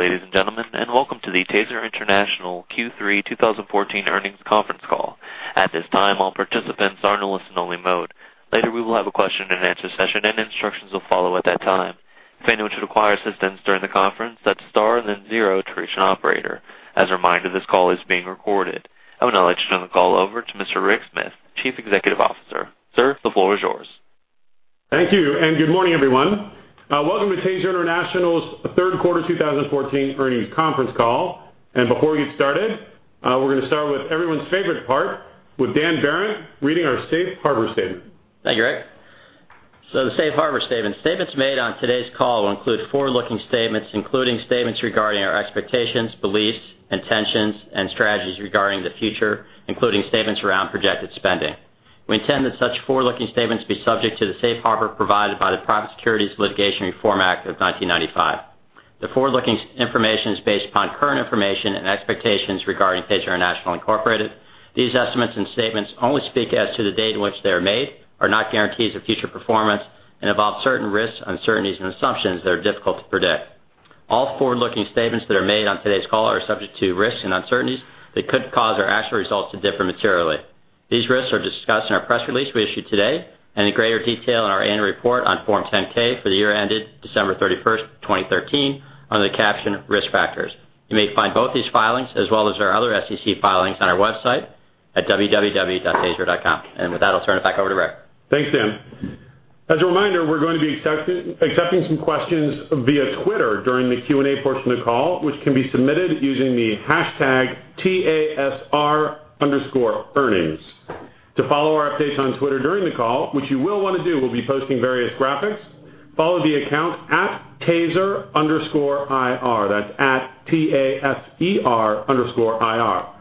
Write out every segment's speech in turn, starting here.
Good day, ladies and gentlemen, and welcome to the TASER International Q3 2014 earnings conference call. At this time, all participants are in listen only mode. Later, we will have a question and answer session, and instructions will follow at that time. If anyone should require assistance during the conference, that is star then zero to reach an operator. As a reminder, this call is being recorded. I would now like to turn the call over to Mr. Rick Smith, Chief Executive Officer. Sir, the floor is yours. Thank you. Good morning, everyone. Welcome to TASER International's third quarter 2014 earnings conference call. Before we get started, we are going to start with everyone's favorite part, with Dan Behrendt reading our safe harbor statement. Thank you, Rick. The safe harbor statement. Statements made on today's call will include forward-looking statements, including statements regarding our expectations, beliefs, intentions, and strategies regarding the future, including statements around projected spending. We intend that such forward-looking statements be subject to the safe harbor provided by the Private Securities Litigation Reform Act of 1995. The forward-looking information is based upon current information and expectations regarding TASER International Incorporated. These estimates and statements only speak as to the date on which they are made, are not guarantees of future performance, and involve certain risks, uncertainties, and assumptions that are difficult to predict. All forward-looking statements that are made on today's call are subject to risks and uncertainties that could cause our actual results to differ materially. These risks are discussed in our press release we issued today, and in greater detail in our annual report on Form 10-K for the year ended December 31st, 2013, under the caption Risk Factors. You may find both these filings as well as our other SEC filings on our website at www.taser.com. With that, I will turn it back over to Rick. Thanks, Dan. As a reminder, we're going to be accepting some questions via Twitter during the Q&A portion of the call, which can be submitted using the hashtag TASR_earnings. To follow our updates on Twitter during the call, which you will want to do, we'll be posting various graphics, follow the account @TASER_IR. That's at T-A-S-E-R underscore I-R.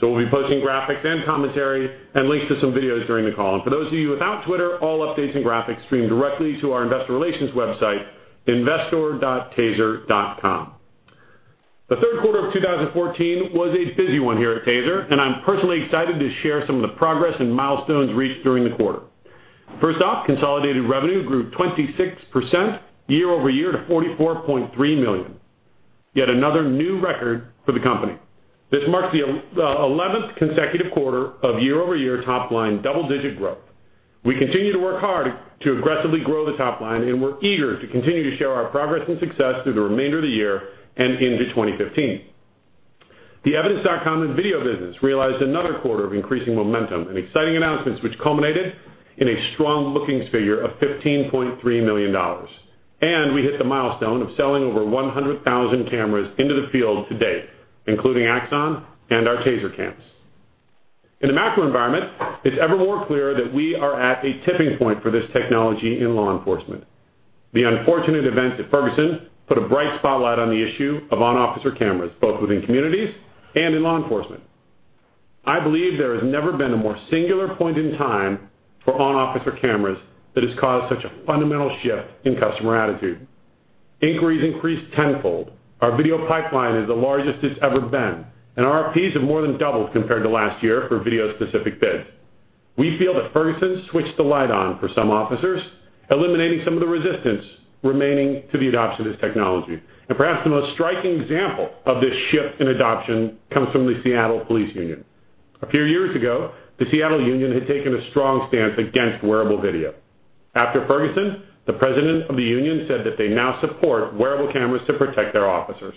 We'll be posting graphics and commentary and links to some videos during the call. For those of you without Twitter, all updates and graphics stream directly to our investor relations website, investor.taser.com. The third quarter of 2014 was a busy one here at TASER, and I'm personally excited to share some of the progress and milestones reached during the quarter. First off, consolidated revenue grew 26% year-over-year to $44.3 million. Yet another new record for the company. This marks the eleventh consecutive quarter of year-over-year top-line double-digit growth. We continue to work hard to aggressively grow the top line, and we're eager to continue to share our progress and success through the remainder of the year and into 2015. The Evidence.com and video business realized another quarter of increasing momentum and exciting announcements which culminated in a strong-looking figure of $15.3 million. We hit the milestone of selling over 100,000 cameras into the field to date, including Axon and our TASER Cams. In the macro environment, it's ever more clear that we are at a tipping point for this technology in law enforcement. The unfortunate events at Ferguson put a bright spotlight on the issue of on-officer cameras, both within communities and in law enforcement. I believe there has never been a more singular point in time for on-officer cameras that has caused such a fundamental shift in customer attitude. Inquiries increased tenfold. Our video pipeline is the largest it's ever been, RFPs have more than doubled compared to last year for video-specific bids. We feel that Ferguson switched the light on for some officers, eliminating some of the resistance remaining to the adoption of this technology. Perhaps the most striking example of this shift in adoption comes from the Seattle Police Union. A few years ago, the Seattle Union had taken a strong stance against wearable video. After Ferguson, the president of the union said that they now support wearable cameras to protect their officers.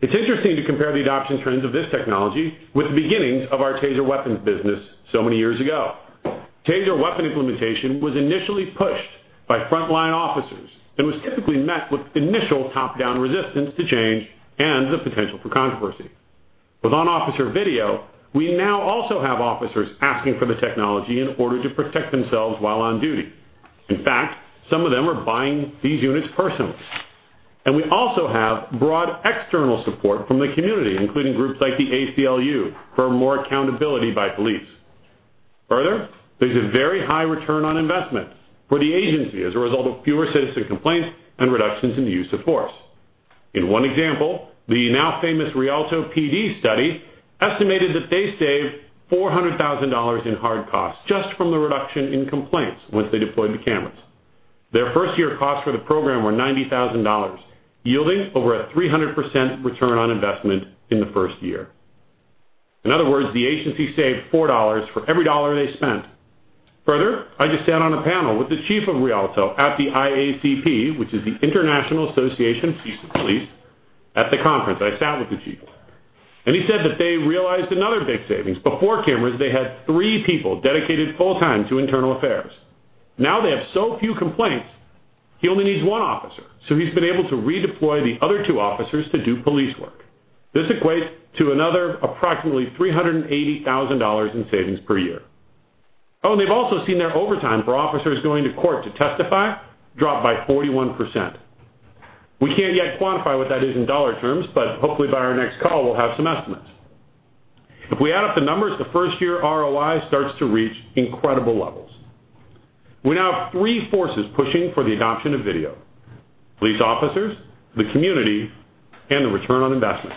It's interesting to compare the adoption trends of this technology with the beginnings of our TASER weapons business so many years ago. TASER weapon implementation was initially pushed by frontline officers and was typically met with initial top-down resistance to change and the potential for controversy. With on-officer video, we now also have officers asking for the technology in order to protect themselves while on duty. In fact, some of them are buying these units personally. We also have broad external support from the community, including groups like the ACLU, for more accountability by police. Further, there's a very high return on investment for the agency as a result of fewer citizen complaints and reductions in the use of force. In one example, the now famous Rialto PD study estimated that they saved $400,000 in hard costs just from the reduction in complaints once they deployed the cameras. Their first-year costs for the program were $90,000, yielding over a 300% ROI in the first year. In other words, the agency saved four dollars for every dollar they spent. Further, I just sat on a panel with the chief of Rialto at the IACP, which is the International Association of Chiefs of Police. At the conference, I sat with the chief, and he said that they realized another big savings. Before cameras, they had three people dedicated full time to internal affairs. Now they have so few complaints, he only needs one officer, so he's been able to redeploy the other two officers to do police work. This equates to another approximately $380,000 in savings per year. They've also seen their overtime for officers going to court to testify drop by 41%. We can't yet quantify what that is in dollar terms, but hopefully by our next call, we'll have some estimates. If we add up the numbers, the first-year ROI starts to reach incredible levels. We now have three forces pushing for the adoption of video. Police officers, the community, and the ROI.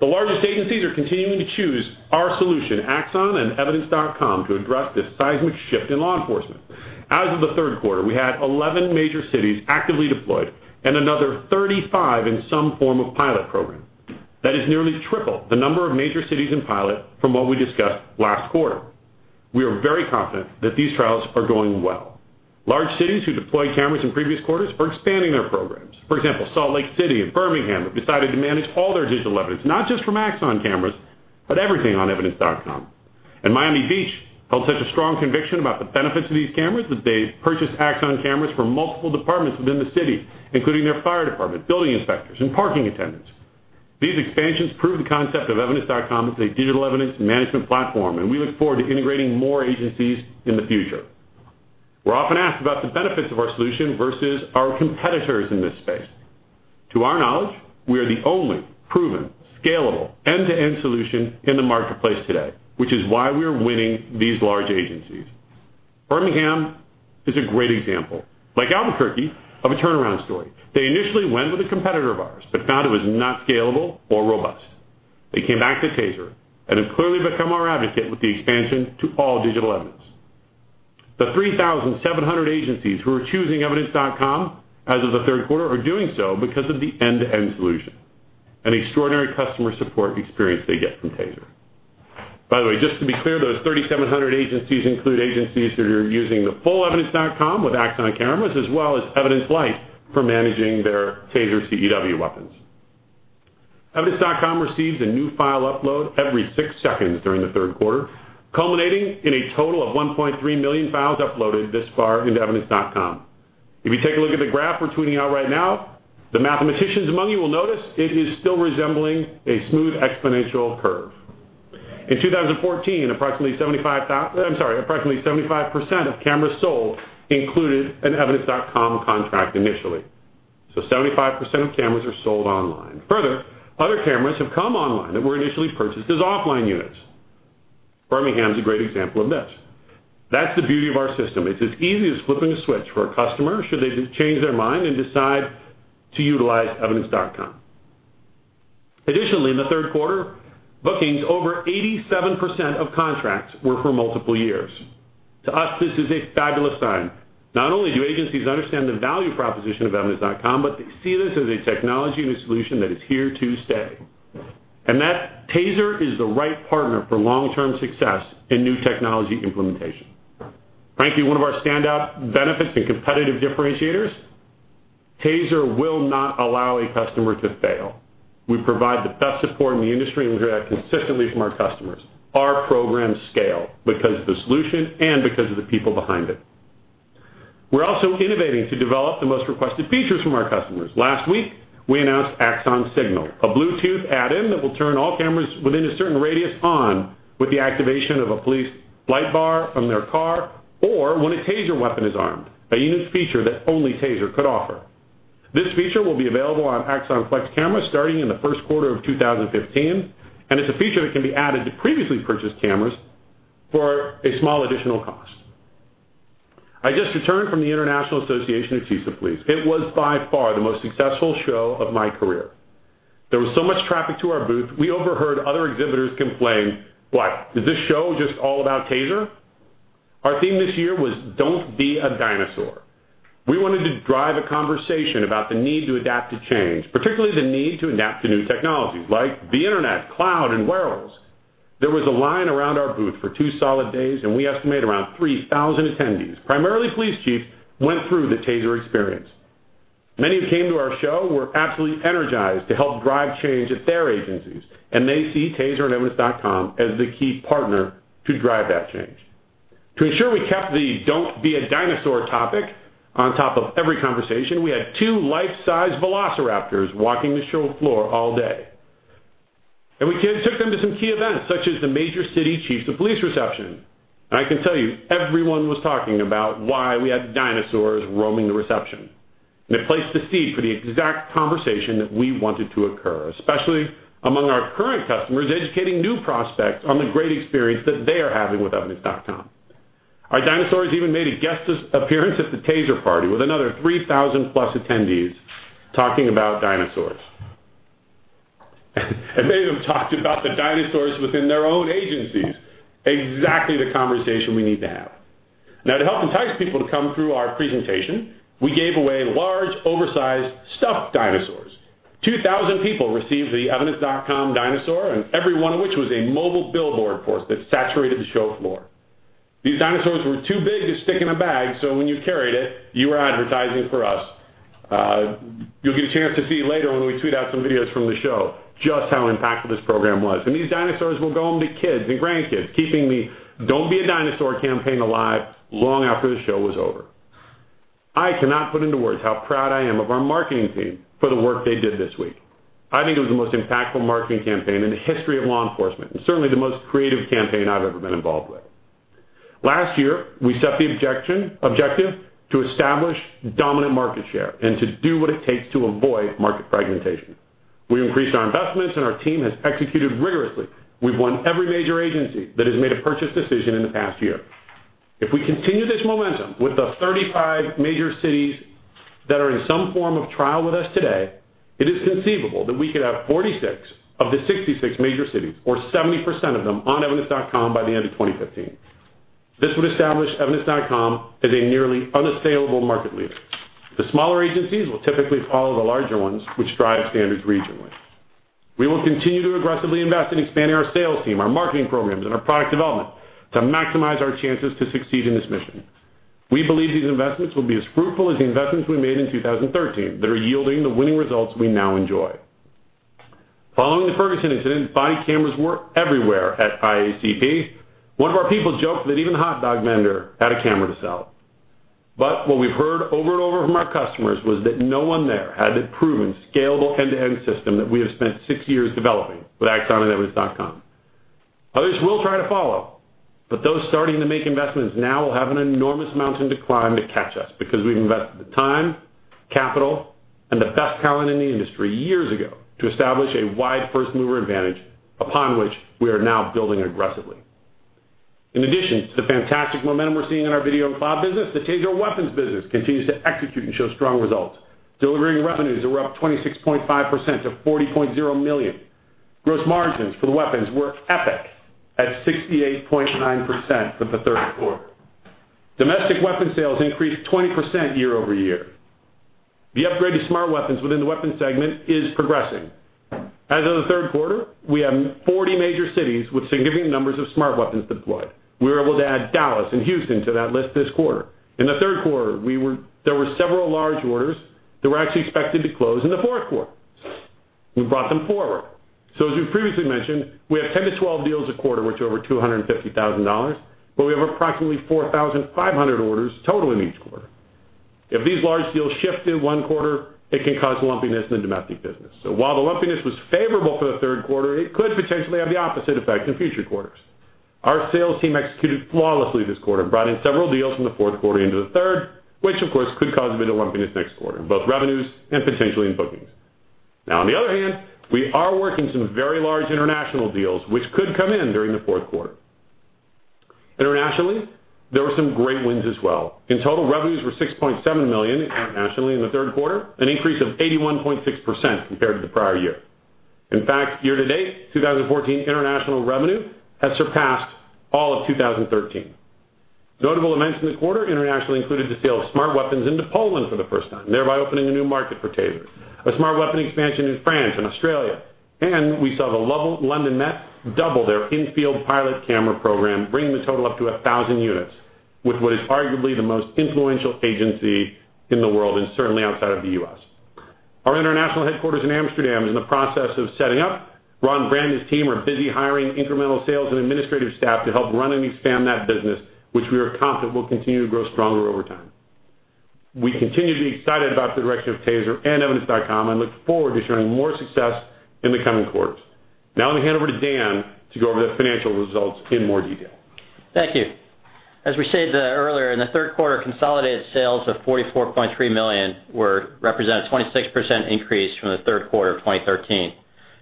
The largest agencies are continuing to choose our solution, Axon and Evidence.com, to address this seismic shift in law enforcement. As of the third quarter, we had 11 major cities actively deployed and another 35 in some form of pilot program. That is nearly triple the number of major cities in pilot from what we discussed last quarter. We are very confident that these trials are going well. Large cities who deployed cameras in previous quarters are expanding their programs. For example, Salt Lake City and Birmingham have decided to manage all their digital evidence, not just from Axon cameras, but everything on Evidence.com. Miami Beach held such a strong conviction about the benefits of these cameras that they purchased Axon cameras for multiple departments within the city, including their fire department, building inspectors, and parking attendants. These expansions prove the concept of Evidence.com as a digital evidence management platform, and we look forward to integrating more agencies in the future. We're often asked about the benefits of our solution versus our competitors in this space. To our knowledge, we are the only proven, scalable end-to-end solution in the marketplace today, which is why we are winning these large agencies. Birmingham is a great example, like Albuquerque, of a turnaround story. They initially went with a competitor of ours but found it was not scalable or robust. They came back to TASER and have clearly become our advocate with the expansion to all digital evidence. The 3,700 agencies who are choosing Evidence.com as of the third quarter are doing so because of the end-to-end solution, an extraordinary customer support experience they get from TASER. By the way, just to be clear, those 3,700 agencies include agencies who are using the full Evidence.com with Axon cameras, as well as Evidence Lite for managing their TASER CEW weapons. Evidence.com received a new file upload every six seconds during the third quarter, culminating in a total of 1.3 million files uploaded thus far into Evidence.com. If you take a look at the graph we're tweeting out right now, the mathematicians among you will notice it is still resembling a smooth exponential curve. In 2014, approximately 75% of cameras sold included an Evidence.com contract initially. 75% of cameras are sold online. Further, other cameras have come online that were initially purchased as offline units. Birmingham is a great example of this. That's the beauty of our system. It's as easy as flipping a switch for a customer should they change their mind and decide to utilize Evidence.com. Additionally, in the third quarter, bookings, over 87% of contracts were for multiple years. To us, this is a fabulous sign. Not only do agencies understand the value proposition of Evidence.com, but they see this as a technology and a solution that is here to stay, and that Axon is the right partner for long-term success in new technology implementation. Frankly, one of our standout benefits and competitive differentiators, Axon will not allow a customer to fail. We provide the best support in the industry, and we hear that consistently from our customers. Our programs scale because of the solution and because of the people behind it. We're also innovating to develop the most requested features from our customers. Last week, we announced Axon Signal, a Bluetooth add-in that will turn all cameras within a certain radius on with the activation of a police light bar from their car or when a TASER weapon is armed, a unique feature that only Axon could offer. This feature will be available on Axon Flex cameras starting in the first quarter of 2015, and it's a feature that can be added to previously purchased cameras for a small additional cost. I just returned from the International Association of Chiefs of Police. It was by far the most successful show of my career. There was so much traffic to our booth, we overheard other exhibitors complain, "What? Is this show just all about Axon?" Our theme this year was "Don't be a dinosaur." We wanted to drive a conversation about the need to adapt to change, particularly the need to adapt to new technology, like the internet, cloud, and wearables. There was a line around our booth for two solid days, and we estimate around 3,000 attendees, primarily police chiefs, went through the Axon experience. Many who came to our show were absolutely energized to help drive change at their agencies, and they see Axon and Evidence.com as the key partner to drive that change. To ensure we kept the "Don't be a dinosaur" topic on top of every conversation, we had two life-size velociraptors walking the show floor all day. We took them to some key events, such as the Major Cities Chiefs Association reception. I can tell you, everyone was talking about why we had dinosaurs roaming the reception. It placed the seed for the exact conversation that we wanted to occur, especially among our current customers educating new prospects on the great experience that they are having with Evidence.com. Our dinosaurs even made a guest appearance at the Axon party with another 3,000-plus attendees talking about dinosaurs. Many of them talked about the dinosaurs within their own agencies. Exactly the conversation we need to have. To help entice people to come through our presentation, we gave away large, oversized stuffed dinosaurs. 2,000 people received the Evidence.com dinosaur, and every one of which was a mobile billboard for us that saturated the show floor. These dinosaurs were too big to stick in a bag, so when you carried it, you were advertising for us. You'll get a chance to see later when we tweet out some videos from the show just how impactful this program was. And these dinosaurs will go home to kids and grandkids, keeping the Don't Be a Dinosaur campaign alive long after the show was over. I cannot put into words how proud I am of our marketing team for the work they did this week. I think it was the most impactful marketing campaign in the history of law enforcement, and certainly the most creative campaign I've ever been involved with. Last year, we set the objective to establish dominant market share and to do what it takes to avoid market fragmentation. We increased our investments and our team has executed rigorously. We've won every major agency that has made a purchase decision in the past year. If we continue this momentum with the 35 major cities that are in some form of trial with us today, it is conceivable that we could have 46 of the 66 major cities, or 70% of them, on evidence.com by the end of 2015. This would establish evidence.com as a nearly unassailable market leader. The smaller agencies will typically follow the larger ones, which drive standards regionally. We will continue to aggressively invest in expanding our sales team, our marketing programs, and our product development to maximize our chances to succeed in this mission. We believe these investments will be as fruitful as the investments we made in 2013 that are yielding the winning results we now enjoy. Following the Ferguson incident, body cameras were everywhere at IACP. One of our people joked that even a hot dog vendor had a camera to sell. What we've heard over and over from our customers was that no one there had the proven, scalable end-to-end system that we have spent six years developing with Axon and evidence.com. Others will try to follow, but those starting to make investments now will have an enormous mountain to climb to catch us, because we've invested the time, capital, and the best talent in the industry years ago to establish a wide first-mover advantage upon which we are now building aggressively. In addition to the fantastic momentum we're seeing in our video and cloud business, the TASER weapons business continues to execute and show strong results, delivering revenues that were up 26.5% to $40.0 million. Gross margins for the weapons were epic, at 68.9% for the third quarter. Domestic weapons sales increased 20% year-over-year. The upgrade to Smart Weapons within the weapons segment is progressing. As of the third quarter, we have 40 major cities with significant numbers of Smart Weapons deployed. We were able to add Dallas and Houston to that list this quarter. In the third quarter, there were several large orders that were actually expected to close in the fourth quarter. We brought them forward. As we previously mentioned, we have 10 to 12 deals a quarter which are over $250,000, but we have approximately 4,500 orders total in each quarter. If these large deals shift in one quarter, it can cause lumpiness in the domestic business. While the lumpiness was favorable for the third quarter, it could potentially have the opposite effect in future quarters. Our sales team executed flawlessly this quarter and brought in several deals from the fourth quarter into the third, which of course could cause a bit of lumpiness next quarter in both revenues and potentially in bookings. On the other hand, we are working some very large international deals which could come in during the fourth quarter. Internationally, there were some great wins as well. In total, revenues were $6.7 million internationally in the third quarter, an increase of 81.6% compared to the prior year. In fact, year-to-date 2014 international revenue has surpassed all of 2013. Notable events in the quarter internationally included the sale of Smart Weapons into Poland for the first time, thereby opening a new market for TASERs. A Smart Weapon expansion in France and Australia. We saw the London Met double their in-field pilot camera program, bringing the total up to 1,000 units, with what is arguably the most influential agency in the world, and certainly outside of the U.S. Our international headquarters in Amsterdam is in the process of setting up. Ron Brandt and his team are busy hiring incremental sales and administrative staff to help run and expand that business, which we are confident will continue to grow stronger over time. We continue to be excited about the direction of TASER and evidence.com, and look forward to sharing more success in the coming quarters. Let me hand over to Dan to go over the financial results in more detail. Thank you. As we stated earlier, in the third quarter, consolidated sales of $44.3 million represented a 26% increase from the third quarter of 2013.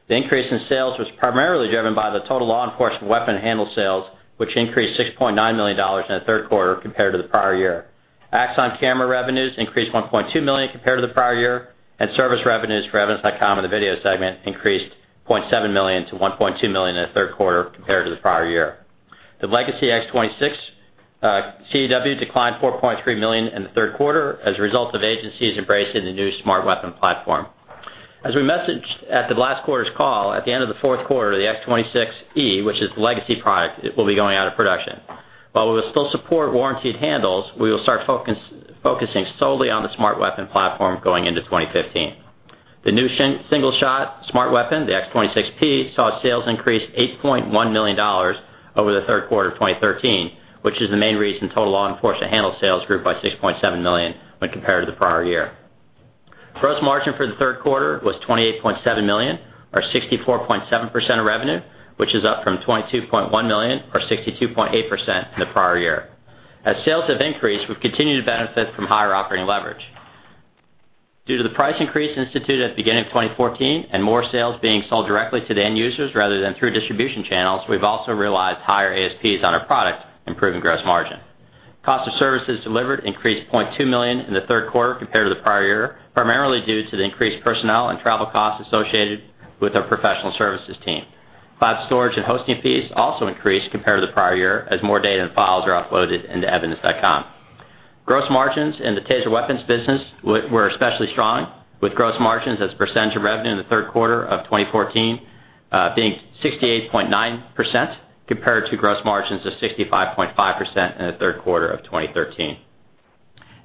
The increase in sales was primarily driven by the total law enforcement weapon handle sales, which increased $6.9 million in the third quarter compared to the prior year. Axon revenues increased $1.2 million compared to the prior year. Service revenues for evidence.com in the video segment increased $0.7 million to $1.2 million in the third quarter compared to the prior year. The legacy X26 CEW declined $4.3 million in the third quarter as a result of agencies embracing the new Smart Weapon platform. As we messaged at the last quarter's call, at the end of the fourth quarter, the X26E, which is the legacy product, will be going out of production. While we will still support warrantied handles, we will start focusing solely on the Smart Weapon platform going into 2015. The new single-shot Smart Weapon, the X26P, saw sales increase $8.1 million over the third quarter of 2013, which is the main reason total law enforcement handle sales grew by $6.7 million when compared to the prior year. Gross margin for the third quarter was $28.7 million, or 64.7% of revenue, which is up from $22.1 million, or 62.8%, in the prior year. As sales have increased, we've continued to benefit from higher operating leverage. Due to the price increase instituted at the beginning of 2014 and more sales being sold directly to the end users rather than through distribution channels, we've also realized higher ASPs on our product, improving gross margin. Cost of services delivered increased $0.2 million in the third quarter compared to the prior year, primarily due to the increased personnel and travel costs associated with our professional services team. Cloud storage and hosting fees also increased compared to the prior year, as more data and files are uploaded into evidence.com. Gross margins in the TASER weapons business were especially strong, with gross margins as a percentage of revenue in the third quarter of 2014 being 68.9%, compared to gross margins of 65.5% in the third quarter of 2013.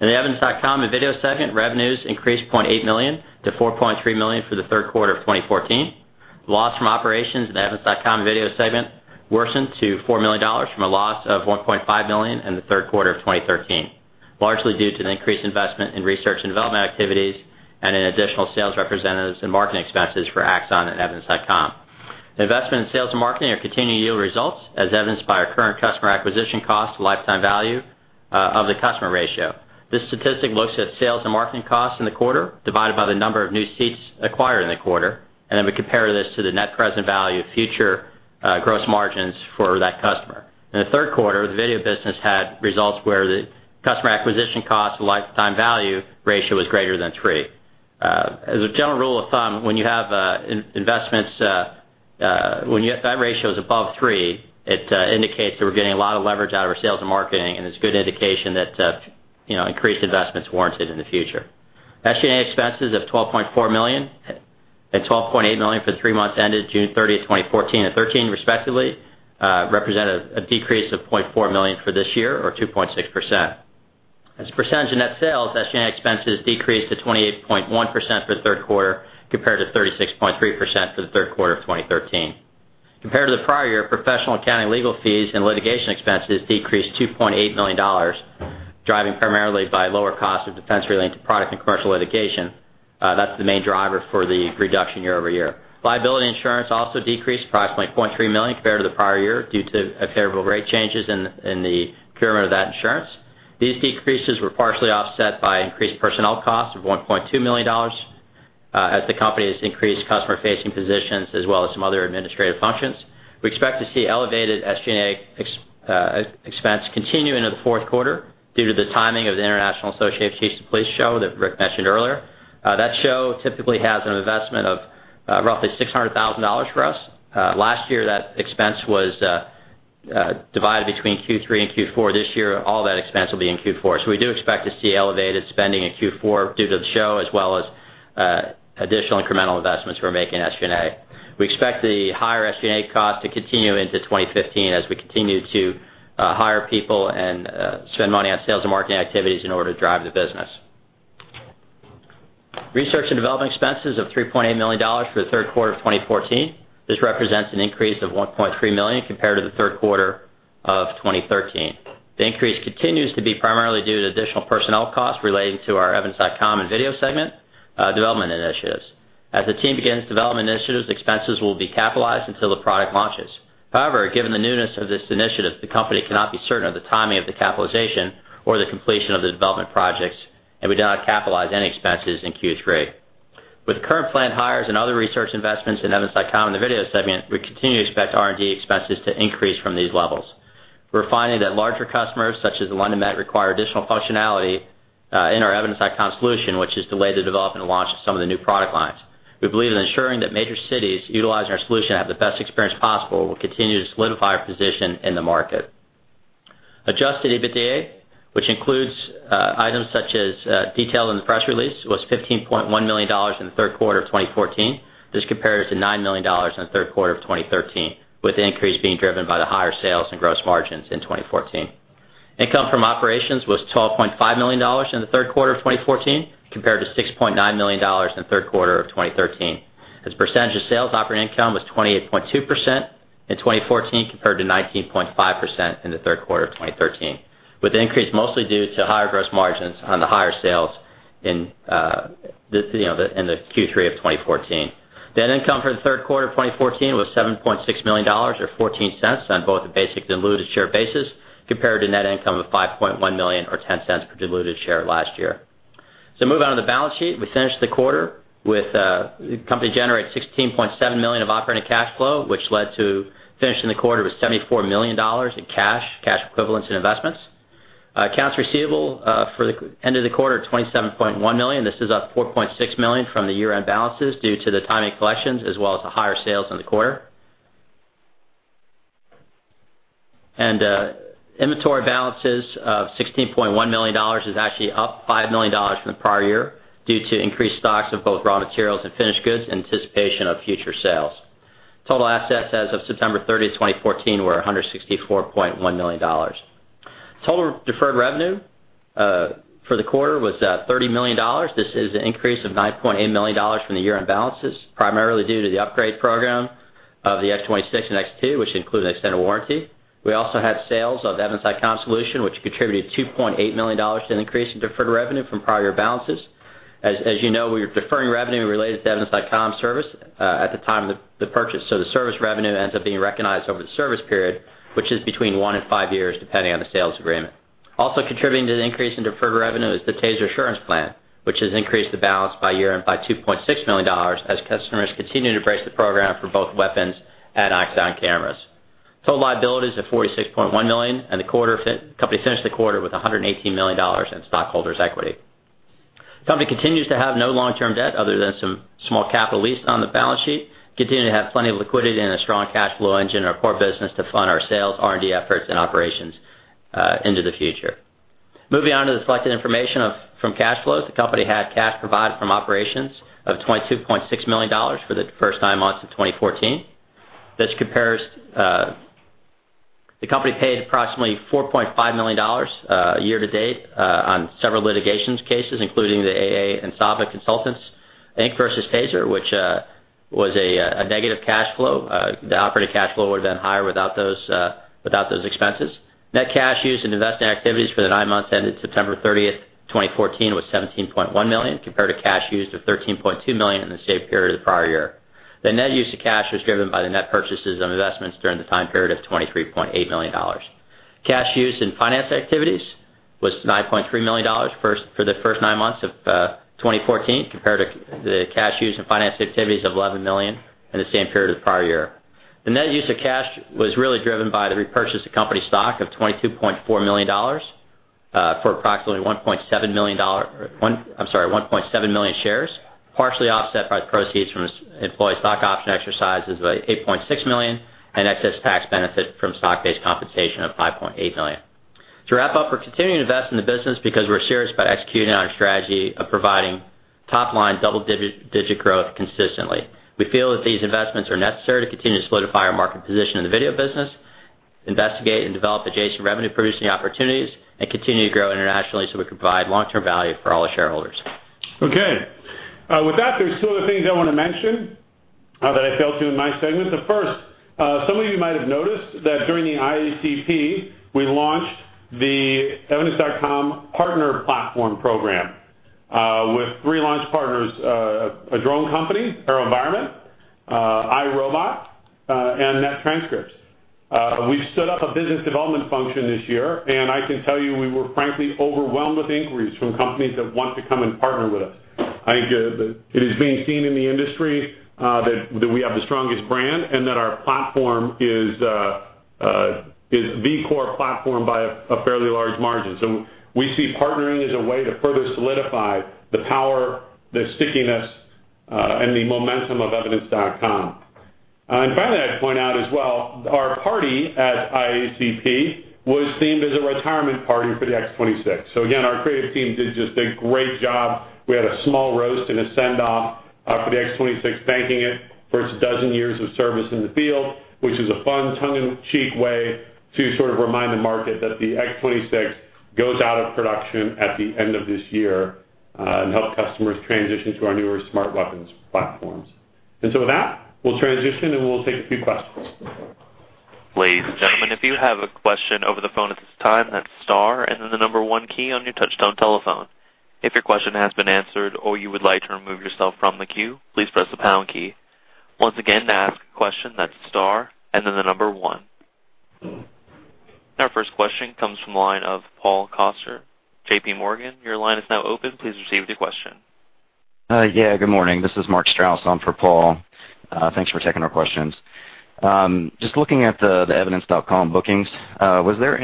In the evidence.com and video segment, revenues increased $0.8 million to $4.3 million for the third quarter of 2014. Loss from operations in the evidence.com and video segment worsened to $4 million from a loss of $1.5 million in the third quarter of 2013, largely due to an increased investment in research and development activities and in additional sales representatives and marketing expenses for Axon and evidence.com. The investment in sales and marketing are continuing to yield results, as evidenced by our current customer acquisition cost to lifetime value Of the customer ratio. This statistic looks at sales and marketing costs in the quarter, divided by the number of new seats acquired in the quarter, and then we compare this to the net present value of future gross margins for that customer. In the third quarter, the video business had results where the customer acquisition costs to lifetime value ratio was greater than three. As a general rule of thumb, when you have investments, when that ratio is above three, it indicates that we're getting a lot of leverage out of our sales and marketing, and it's a good indication that increased investment's warranted in the future. SG&A expenses of $12.4 million and $12.8 million for the three months ended June 30, 2014 and 2013, respectively, represent a decrease of $0.4 million for this year or 2.6%. As a percentage of net sales, SG&A expenses decreased to 28.1% for the third quarter, compared to 36.3% for the third quarter of 2013. Compared to the prior year, professional accounting, legal fees, and litigation expenses decreased to $2.8 million, driven primarily by lower costs of defense relating to product and commercial litigation. That's the main driver for the reduction year-over-year. Liability insurance also decreased approximately $0.3 million compared to the prior year, due to favorable rate changes in the procurement of that insurance. These decreases were partially offset by increased personnel costs of $1.2 million as the company has increased customer-facing positions as well as some other administrative functions. We expect to see elevated SG&A expense continue into the fourth quarter due to the timing of the International Association of Chiefs of Police show that Rick mentioned earlier. That show typically has an investment of roughly $600,000 for us. Last year, that expense was divided between Q3 and Q4. This year, all that expense will be in Q4. We do expect to see elevated spending in Q4 due to the show, as well as additional incremental investments we're making in SG&A. We expect the higher SG&A cost to continue into 2015 as we continue to hire people and spend money on sales and marketing activities in order to drive the business. Research and development expenses of $3.8 million for the third quarter of 2014. This represents an increase of $1.3 million compared to the third quarter of 2013. The increase continues to be primarily due to additional personnel costs relating to our Evidence.com and Video Segment development initiatives. As the team begins development initiatives, expenses will be capitalized until the product launches. However, given the newness of this initiative, the company cannot be certain of the timing of the capitalization or the completion of the development projects, and we do not capitalize any expenses in Q3. With current planned hires and other research investments in Evidence.com and the Video Segment, we continue to expect R&D expenses to increase from these levels. We're finding that larger customers, such as the London Met, require additional functionality in our Evidence.com solution, which has delayed the development and launch of some of the new product lines. We believe in ensuring that major cities utilizing our solution have the best experience possible, will continue to solidify our position in the market. Adjusted EBITDA, which includes items such as detailed in the press release, was $15.1 million in the third quarter of 2014. This compares to $9 million in the third quarter of 2013, with the increase being driven by the higher sales and gross margins in 2014. Income from operations was $12.5 million in the third quarter of 2014, compared to $6.9 million in the third quarter of 2013. As a percentage of sales, operating income was 28.2% in 2014 compared to 19.5% in the third quarter of 2013, with the increase mostly due to higher gross margins on the higher sales in the Q3 of 2014. Net income for the third quarter of 2014 was $7.6 million, or $0.14 on both a basic and diluted share basis, compared to net income of $5.1 million, or $0.10 per diluted share last year. Moving on to the balance sheet. We finished the quarter with the company generating $16.7 million of operating cash flow, which led to finishing the quarter with $74 million in cash equivalents, and investments. Accounts receivable for the end of the quarter, $27.1 million. This is up $4.6 million from the year-end balances due to the timing of collections, as well as the higher sales in the quarter. Inventory balances of $16.1 million is actually up $5 million from the prior year due to increased stocks of both raw materials and finished goods in anticipation of future sales. Total assets as of September 30, 2014, were $164.1 million. Total deferred revenue for the quarter was $30 million. This is an increase of $9.8 million from the year-end balances, primarily due to the upgrade program of the X26 and X2, which includes extended warranty. We also had sales of Evidence.com solution, which contributed $2.8 million to an increase in deferred revenue from prior year balances. As you know, we're deferring revenue related to the Evidence.com service at the time of the purchase, so the service revenue ends up being recognized over the service period, which is between one and five years, depending on the sales agreement. Also contributing to the increase in deferred revenue is the TASER Assurance Plan, which has increased the balance by year-end by $2.6 million as customers continue to embrace the program for both weapons and Axon cameras. Total liabilities of $46.1 million. The company finished the quarter with $118 million in stockholders' equity. The company continues to have no long-term debt other than some small capital lease on the balance sheet, continue to have plenty of liquidity and a strong cash flow engine in our core business to fund our sales, R&D efforts, and operations into the future. Moving on to the selected information from cash flows. The company had cash provided from operations of $22.6 million for the first nine months of 2014. The company paid approximately $4.5 million year to date on several litigations cases, including the A.A. & S. Consultants, Inc. versus TASER, which was a negative cash flow. The operating cash flow would have been higher without those expenses. Net cash used in investing activities for the nine months ended September 30, 2014, was $17.1 million, compared to cash used of $13.2 million in the same period of the prior year. The net use of cash was driven by the net purchases of investments during the time period of $23.8 million. Cash used in finance activities was $9.3 million for the first nine months of 2014 compared to the cash use in finance activities of $11 million in the same period of the prior year. The net use of cash was really driven by the repurchase of company stock of $22.4 million for approximately 1.7 million shares, partially offset by proceeds from employee stock option exercises by $8.6 million, and excess tax benefit from stock-based compensation of $5.8 million. To wrap up, we're continuing to invest in the business because we're serious about executing on our strategy of providing top-line double-digit growth consistently. We feel that these investments are necessary to continue to solidify our market position in the video business, investigate and develop adjacent revenue-producing opportunities, and continue to grow internationally so we can provide long-term value for all our shareholders. Okay. With that, there's two other things I want to mention that I failed to in my segment. The first, some of you might have noticed that during the IACP, we launched the Evidence.com partner platform program with three launch partners, a drone company, AeroVironment, iRobot, and Net Transcripts. I can tell you we were frankly overwhelmed with inquiries from companies that want to come and partner with us. I think it is being seen in the industry that we have the strongest brand and that our platform is the core platform by a fairly large margin. We see partnering as a way to further solidify the power, the stickiness, and the momentum of Evidence.com. Finally, I'd point out as well, our party at IACP was themed as a retirement party for the X26. Our creative team did just a great job. We had a small roast and a send-off for the X26, thanking it for its 12 years of service in the field, which is a fun, tongue-in-cheek way to remind the market that the X26 goes out of production at the end of this year and help customers transition to our newer Smart Weapons platforms. With that, we will transition and we will take a few questions. Ladies and gentlemen, if you have a question over the phone at this time, that is star and then the number 1 key on your touch-tone telephone. If your question has been answered or you would like to remove yourself from the queue, please press the pound key. Once again, to ask a question, that is star and then the number 1. Our first question comes from the line of Paul Coster, JP Morgan. Your line is now open. Please receive your question. Yeah, good morning. This is Mark Strouse. I am for Paul. Thanks for taking our questions. Just looking at the Evidence.com bookings, was there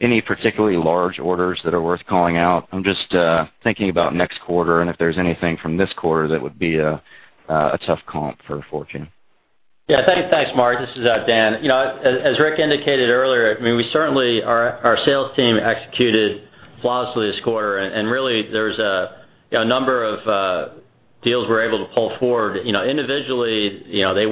any particularly large orders that are worth calling out? I am just thinking about next quarter and if there is anything from this quarter that would be a tough comp for future. Yeah, thanks, Mark. This is Dan. As Rick indicated earlier, our sales team executed flawlessly this quarter, really there is a number of deals we are able to pull forward. Individually, they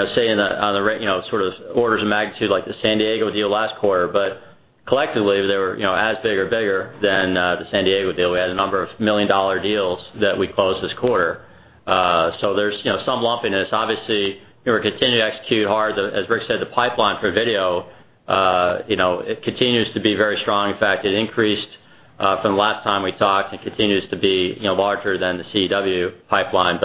were not orders of magnitude like the San Diego deal last quarter, collectively, they were as big or bigger than the San Diego deal. We had a number of million-dollar deals that we closed this quarter. There is some lumpiness. Obviously, we continue to execute hard. As Rick said, the pipeline for video continues to be very strong. In fact, it increased from the last time we talked and continues to be larger than the CEW pipeline.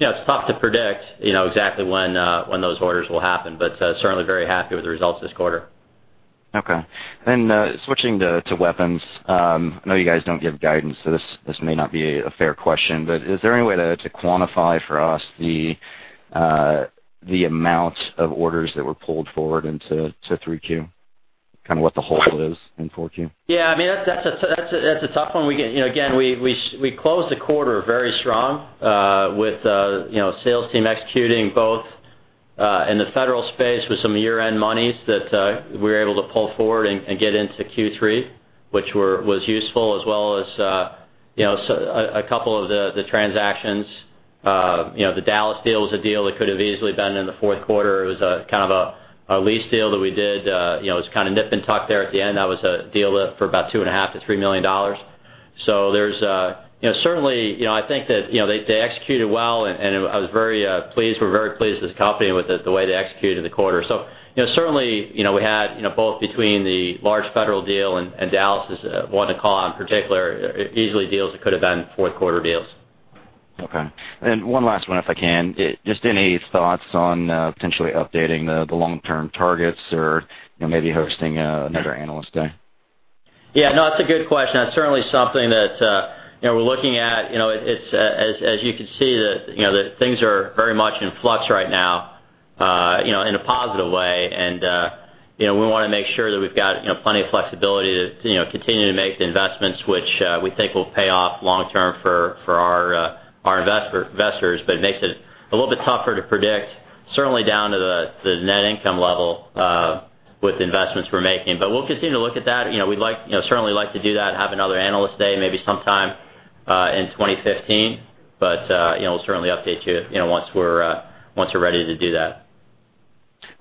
It is tough to predict exactly when those orders will happen, certainly very happy with the results this quarter. Okay. Switching to weapons, I know you guys don't give guidance, so this may not be a fair question, but is there any way to quantify for us the amount of orders that were pulled forward into 3Q? Kind of what the hold is in 4Q? Yeah, that's a tough one. We closed the quarter very strong with the sales team executing both in the federal space with some year-end monies that we were able to pull forward and get into Q3, which was useful, as well as a couple of the transactions. The Dallas deal was a deal that could have easily been in the fourth quarter. It was a lease deal that we did. It was kind of nip and tuck there at the end. That was a deal for about $2.5 million-$3 million. Certainly, I think that they executed well, and I was very pleased. We're very pleased as a company with the way they executed the quarter. Certainly, we had both between the large federal deal and Dallas is one to call on particular, easily deals that could have been fourth quarter deals. Okay. One last one, if I can. Just any thoughts on potentially updating the long-term targets or maybe hosting another analyst day? Yeah, no, that's a good question. That's certainly something that we're looking at. As you can see, things are very much in flux right now in a positive way, and we want to make sure that we've got plenty of flexibility to continue to make the investments which we think will pay off long term for our investors. It makes it a little bit tougher to predict, certainly down to the net income level with the investments we're making. We'll continue to look at that. We'd certainly like to do that, have another analyst day maybe sometime in 2015. We'll certainly update you once we're ready to do that.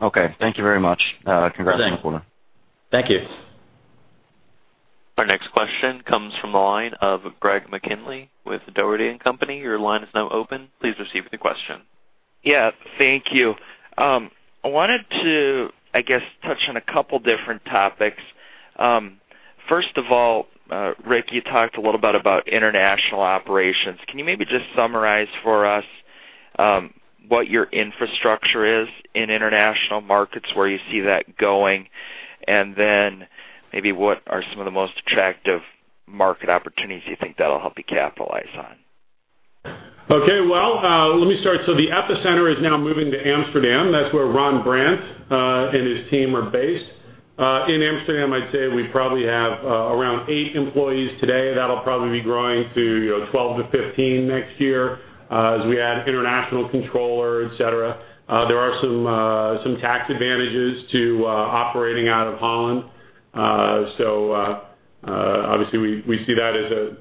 Okay. Thank you very much. Thanks. Congrats on the quarter. Thank you. Our next question comes from the line of Greg McKinley with Dougherty & Company. Your line is now open. Please receive the question. Yeah, thank you. I wanted to, I guess, touch on a couple different topics. First of all, Rick, you talked a little bit about international operations. Can you maybe just summarize for us what your infrastructure is in international markets, where you see that going, and then maybe what are some of the most attractive market opportunities you think that'll help you capitalize on? Okay. Well, let me start. The epicenter is now moving to Amsterdam. That's where Ron Brandt and his team are based. In Amsterdam, I'd say we probably have around eight employees today. That'll probably be growing to 12 to 15 next year as we add international controller, et cetera. There are some tax advantages to operating out of Holland. Obviously, we did a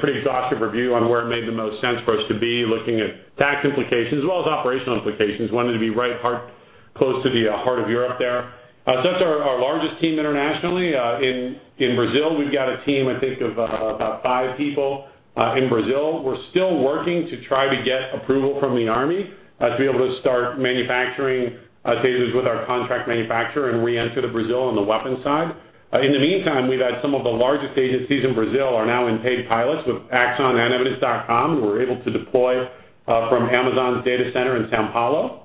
pretty exhaustive review on where it made the most sense for us to be looking at tax implications as well as operational implications. Wanted to be close to the heart of Europe there. That's our largest team internationally. In Brazil, we've got a team, I think of about five people. In Brazil, we're still working to try to get approval from the army to be able to start manufacturing TASERs with our contract manufacturer and reenter Brazil on the weapons side. In the meantime, we've had some of the largest agencies in Brazil are now in paid pilots with Axon and evidence.com, and we're able to deploy from Amazon's data center in São Paulo.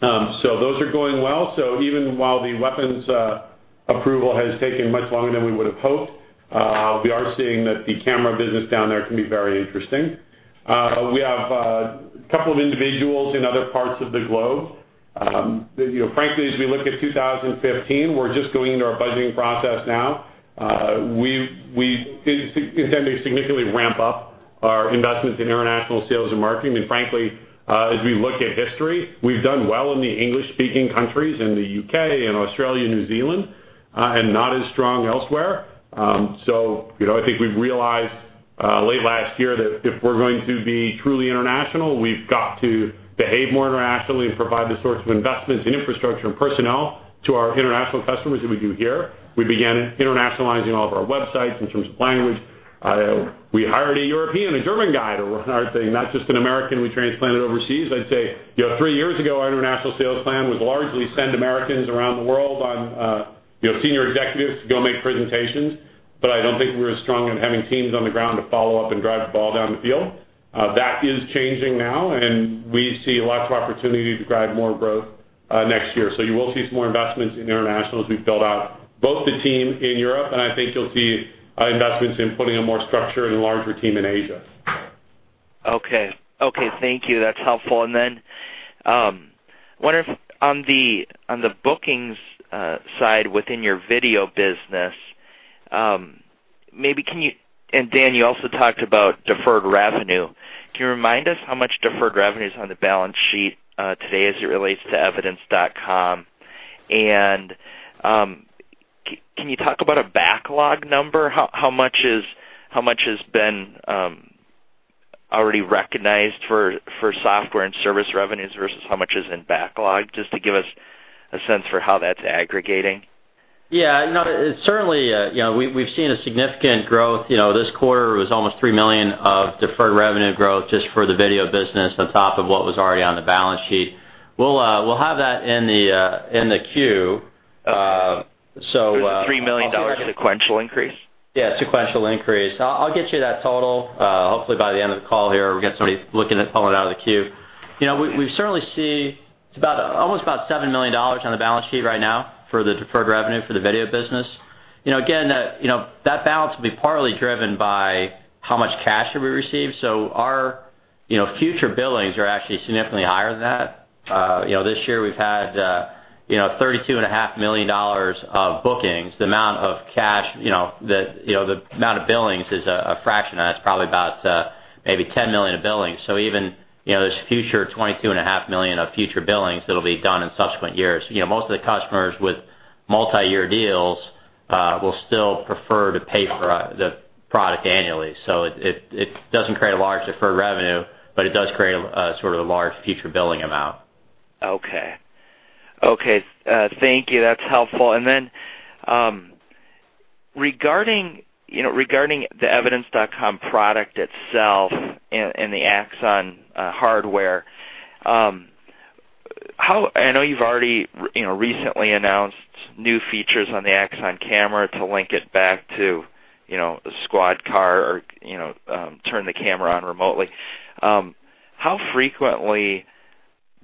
Those are going well. Even while the weapons approval has taken much longer than we would've hoped, we are seeing that the camera business down there can be very interesting. We have a couple of individuals in other parts of the globe. Frankly, as we look at 2015, we're just going into our budgeting process now. We intend to significantly ramp up our investments in international sales and marketing. Frankly, as we look at history, we've done well in the English-speaking countries, in the U.K., in Australia, New Zealand, and not as strong elsewhere. I think we've realized late last year that if we're going to be truly international, we've got to behave more internationally and provide the sorts of investments in infrastructure and personnel to our international customers as we do here. We began internationalizing all of our websites in terms of language. We hired a European, a German guy, to run our thing, not just an American we transplanted overseas. I'd say three years ago, our international sales plan was largely send Americans around the world as senior executives to go make presentations, but I don't think we were as strong on having teams on the ground to follow up and drive the ball down the field. That is changing now, and we see lots of opportunity to drive more growth next year. You will see some more investments in international as we build out both the team in Europe, I think you'll see investments in putting a more structured and larger team in Asia. Okay. Thank you. That's helpful. I wonder if on the bookings side within your video business, Dan, you also talked about deferred revenue. Can you remind us how much deferred revenue is on the balance sheet today as it relates to evidence.com? Can you talk about a backlog number? How much has been already recognized for software and service revenues versus how much is in backlog? Just to give us a sense for how that's aggregating. Yeah. Certainly, we've seen a significant growth. This quarter, it was almost $3 million of deferred revenue growth just for the video business on top of what was already on the balance sheet. We'll have that in the queue. Okay. It was a $3 million sequential increase? Yeah, sequential increase. I'll get you that total hopefully by the end of the call here, or we'll get somebody looking at pulling it out of the Q. We certainly see it's almost about $7 million on the balance sheet right now for the deferred revenue for the video business. Again, that balance will be partly driven by how much cash have we received. Our future billings are actually significantly higher than that. This year we've had $32.5 million of bookings. The amount of billings is a fraction of that. It's probably about maybe $10 million of billings. Even this future $22.5 million of future billings that'll be done in subsequent years. Most of the customers with multi-year deals will still prefer to pay for the product annually. It doesn't create a large deferred revenue, but it does create a sort of large future billing amount. Okay. Thank you. That's helpful. Regarding the Evidence.com product itself and the Axon hardware, I know you've already recently announced new features on the Axon camera to link it back to a squad car or turn the camera on remotely. How frequently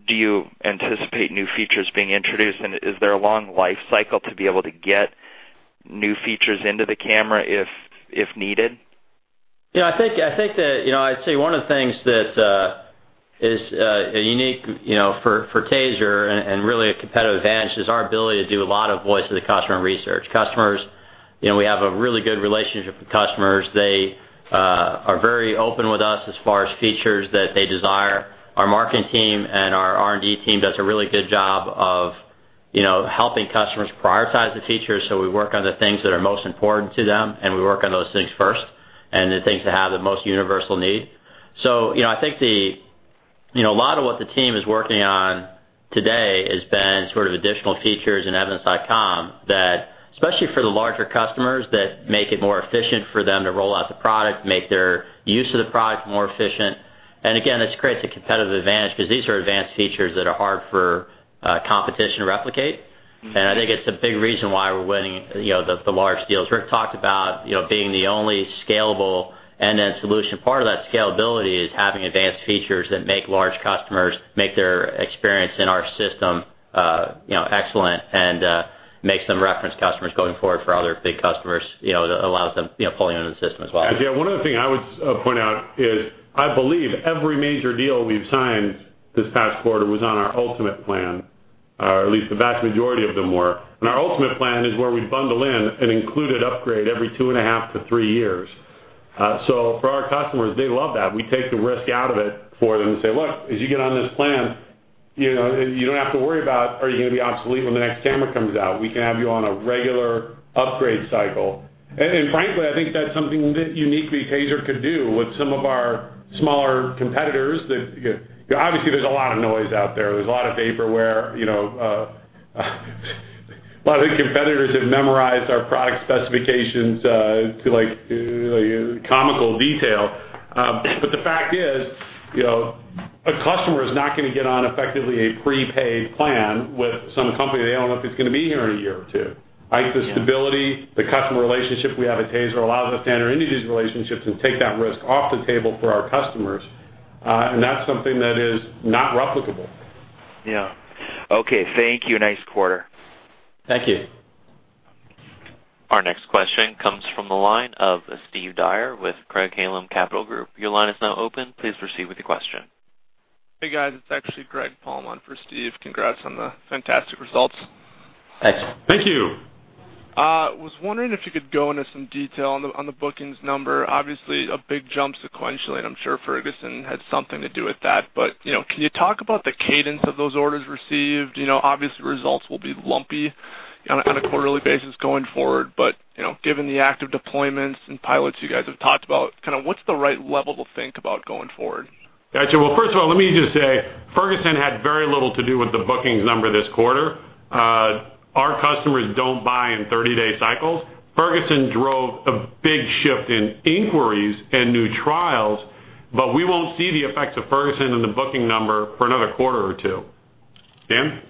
do you anticipate new features being introduced, and is there a long life cycle to be able to get new features into the camera if needed? Yeah. I'd say one of the things that is unique for TASER, and really a competitive advantage, is our ability to do a lot of voice of the customer research. We have a really good relationship with customers. They are very open with us as far as features that they desire. Our marketing team and our R&D team does a really good job of helping customers prioritize the features, we work on the things that are most important to them, and we work on those things first, and the things that have the most universal need. I think a lot of what the team is working on today has been sort of additional features in Evidence.com that, especially for the larger customers, that make it more efficient for them to roll out the product, make their use of the product more efficient. Again, this creates a competitive advantage because these are advanced features that are hard for competition to replicate. I think it's a big reason why we're winning the large deals. Rick talked about being the only scalable end-to-end solution. Part of that scalability is having advanced features that make large customers make their experience in our system excellent and makes them reference customers going forward for other big customers. It allows them pulling into the system as well. Dan, one other thing I would point out is, I believe every major deal we've signed this past quarter was on our ultimate plan, or at least the vast majority of them were. Our ultimate plan is where we bundle in an included upgrade every two and a half to three years. For our customers, they love that. We take the risk out of it for them and say, "Look, as you get on this plan, you don't have to worry about, are you going to be obsolete when the next camera comes out. We can have you on a regular upgrade cycle." Frankly, I think that's something that uniquely TASER could do with some of our smaller competitors that Obviously, there's a lot of noise out there. There's a lot of vaporware a lot of the competitors have memorized our product specifications to comical detail. The fact is, a customer is not going to get on effectively a prepaid plan with some company they don't know if it's going to be here in a year or two. Yeah. The stability, the customer relationship we have at TASER allows us to enter into these relationships and take that risk off the table for our customers. That's something that is not replicable. Yeah. Okay. Thank you. Nice quarter. Thank you. Our next question comes from the line of Steve Dyer with Craig-Hallum Capital Group. Your line is now open. Please proceed with the question. Hey, guys. It's actually Greg Palm on for Steve. Congrats on the fantastic results. Thanks. Thank you. I was wondering if you could go into some detail on the bookings number. Obviously, a big jump sequentially, and I'm sure Ferguson had something to do with that. Can you talk about the cadence of those orders received? Obviously, results will be lumpy on a quarterly basis going forward, but given the active deployments and pilots you guys have talked about, what's the right level to think about going forward? Got you. Well, first of all, let me just say, Ferguson had very little to do with the bookings number this quarter. Our customers don't buy in 30-day cycles. Ferguson drove a big shift in inquiries and new trials, but we won't see the effects of Ferguson in the booking number for another quarter or two. Dan?